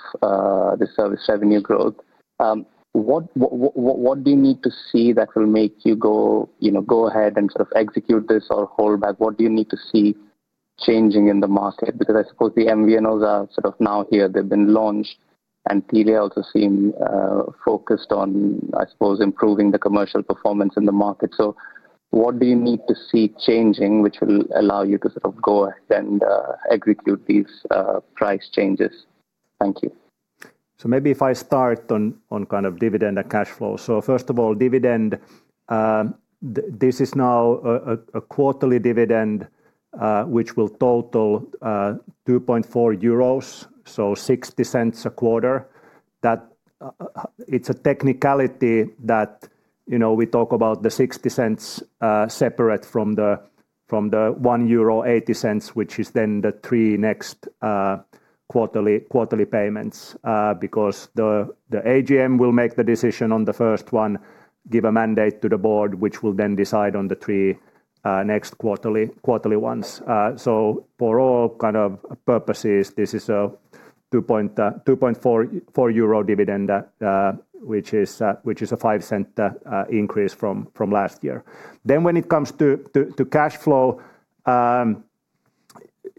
N: the service revenue growth. What do you need to see that will make you go, you know, go ahead and sort of execute this or hold back? What do you need to see changing in the market? Because I suppose the MVNOs are sort of now here. They've been launched, and DNA also seem focused on, I suppose, improving the commercial performance in the market. So what do you need to see changing, which will allow you to sort of go ahead and execute these price changes? Thank you.
C: So maybe if I start on kind of dividend and cash flow. So first of all, dividend, this is now a quarterly dividend, which will total 2.40 euros, so 0.60 a quarter. That it's a technicality that you know we talk about the 0.60 separate from the 1.80 euro, which is then the three next quarterly payments. Because the AGM will make the decision on the first one, give a mandate to the board, which will then decide on the three next quarterly ones. So for all kind of purposes, this is 2.40 euro dividend, which is a 0.05 increase from last year. Then when it comes to cash flow,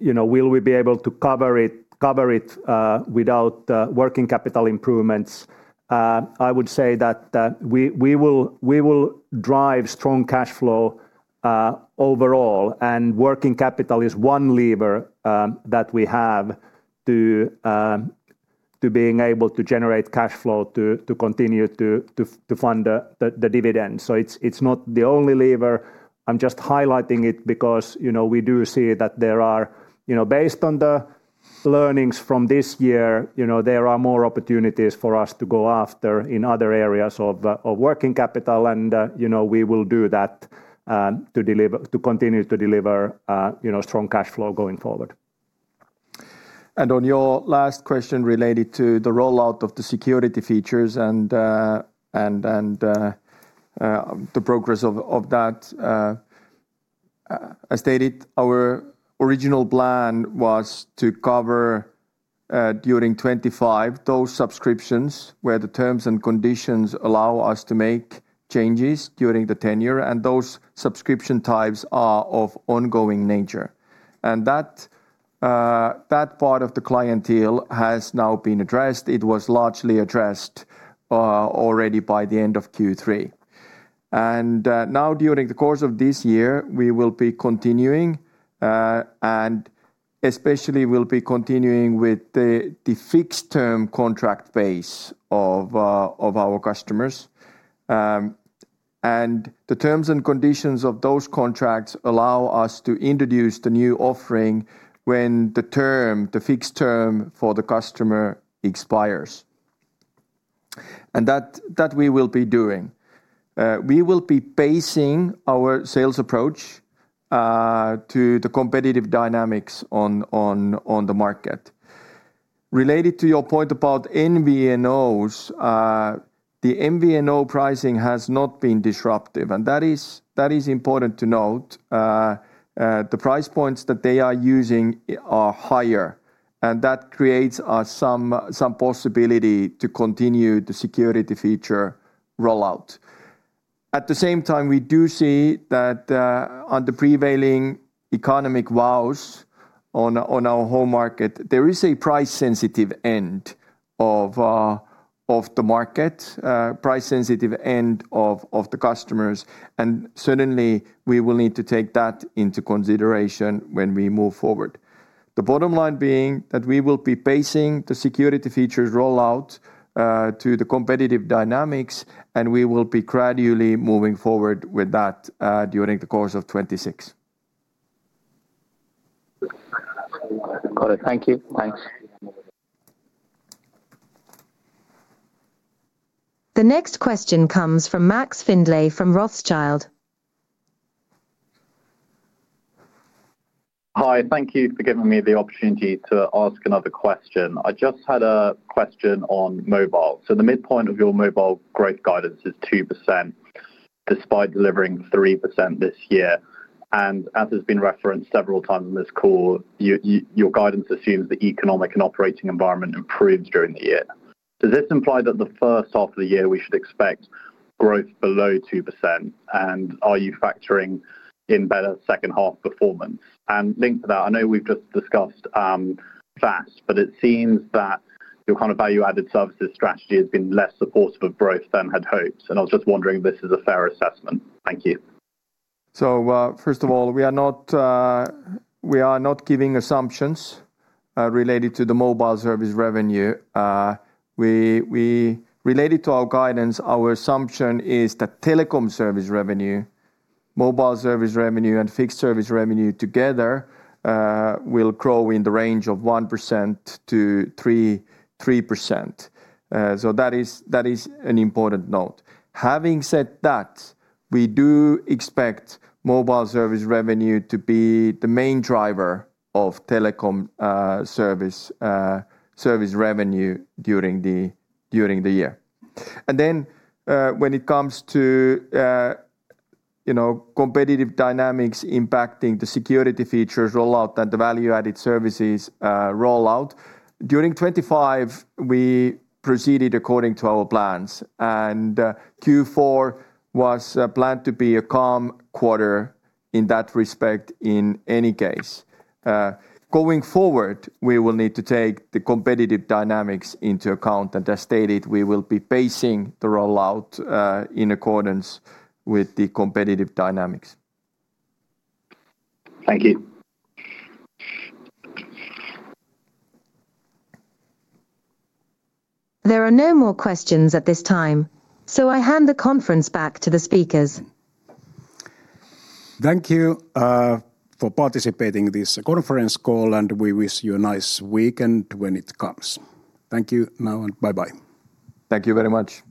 C: you know, will we be able to cover it without working capital improvements? I would say that we will drive strong cash flow overall, and working capital is one lever that we have to being able to generate cash flow to continue to fund the dividend. So it's not the only lever. I'm just highlighting it because, you know, we do see that there are, you know, based on the learnings from this year, you know, there are more opportunities for us to go after in other areas of working capital, and you know, we will do that to continue to deliver you know, strong cash flow going forward.
B: On your last question related to the rollout of the security features and the progress of that, I stated our original plan was to cover during 2025 those subscriptions where the terms and conditions allow us to make changes during the tenure, and those subscription types are of ongoing nature. That part of the clientele has now been addressed. It was largely addressed already by the end of Q3. Now during the course of this year, we will be continuing and especially we'll be continuing with the fixed-term contract base of our customers. The terms and conditions of those contracts allow us to introduce the new offering when the fixed term for the customer expires. That we will be doing. We will be pacing our sales approach to the competitive dynamics on the market. Related to your point about MVNOs, the MVNO pricing has not been disruptive, and that is important to note. The price points that they are using are higher, and that creates some possibility to continue the security feature rollout. At the same time, we do see that on the prevailing economic woes on our home market, there is a price-sensitive end of the market, price-sensitive end of the customers, and certainly, we will need to take that into consideration when we move forward. The bottom line being that we will be pacing the security features rollout to the competitive dynamics, and we will be gradually moving forward with that during the course of 2026.
N: Got it. Thank you. Thanks.
D: The next question comes from Max Findlay from Rothschild.
F: Hi, thank you for giving me the opportunity to ask another question. I just had a question on mobile. So the midpoint of your mobile growth guidance is 2%, despite delivering 3% this year. And as has been referenced several times on this call, your guidance assumes the economic and operating environment improves during the year. Does this imply that the first half of the year we should expect growth below 2%? And are you factoring in better second half performance? And linked to that, I know we've just discussed VAS, but it seems that your kind of value-added services strategy has been less supportive of growth than had hoped, and I was just wondering if this is a fair assessment. Thank you.
B: So, first of all, we are not giving assumptions related to the mobile service revenue. Related to our guidance, our assumption is that telecom service revenue, mobile service revenue, and fixed service revenue together will grow in the range of 1%-3%. So that is an important note. Having said that, we do expect mobile service revenue to be the main driver of telecom service revenue during the year. And then, when it comes to, you know, competitive dynamics impacting the security features rollout and the value-added services rollout during 2025, we proceeded according to our plans, and Q4 was planned to be a calm quarter in that respect in any case. Going forward, we will need to take the competitive dynamics into account, and as stated, we will be pacing the rollout, in accordance with the competitive dynamics.
F: Thank you.
D: There are no more questions at this time, so I hand the conference back to the speakers.
B: Thank you for participating in this conference call, and we wish you a nice weekend when it comes. Thank you now, and bye-bye.
C: Thank you very much.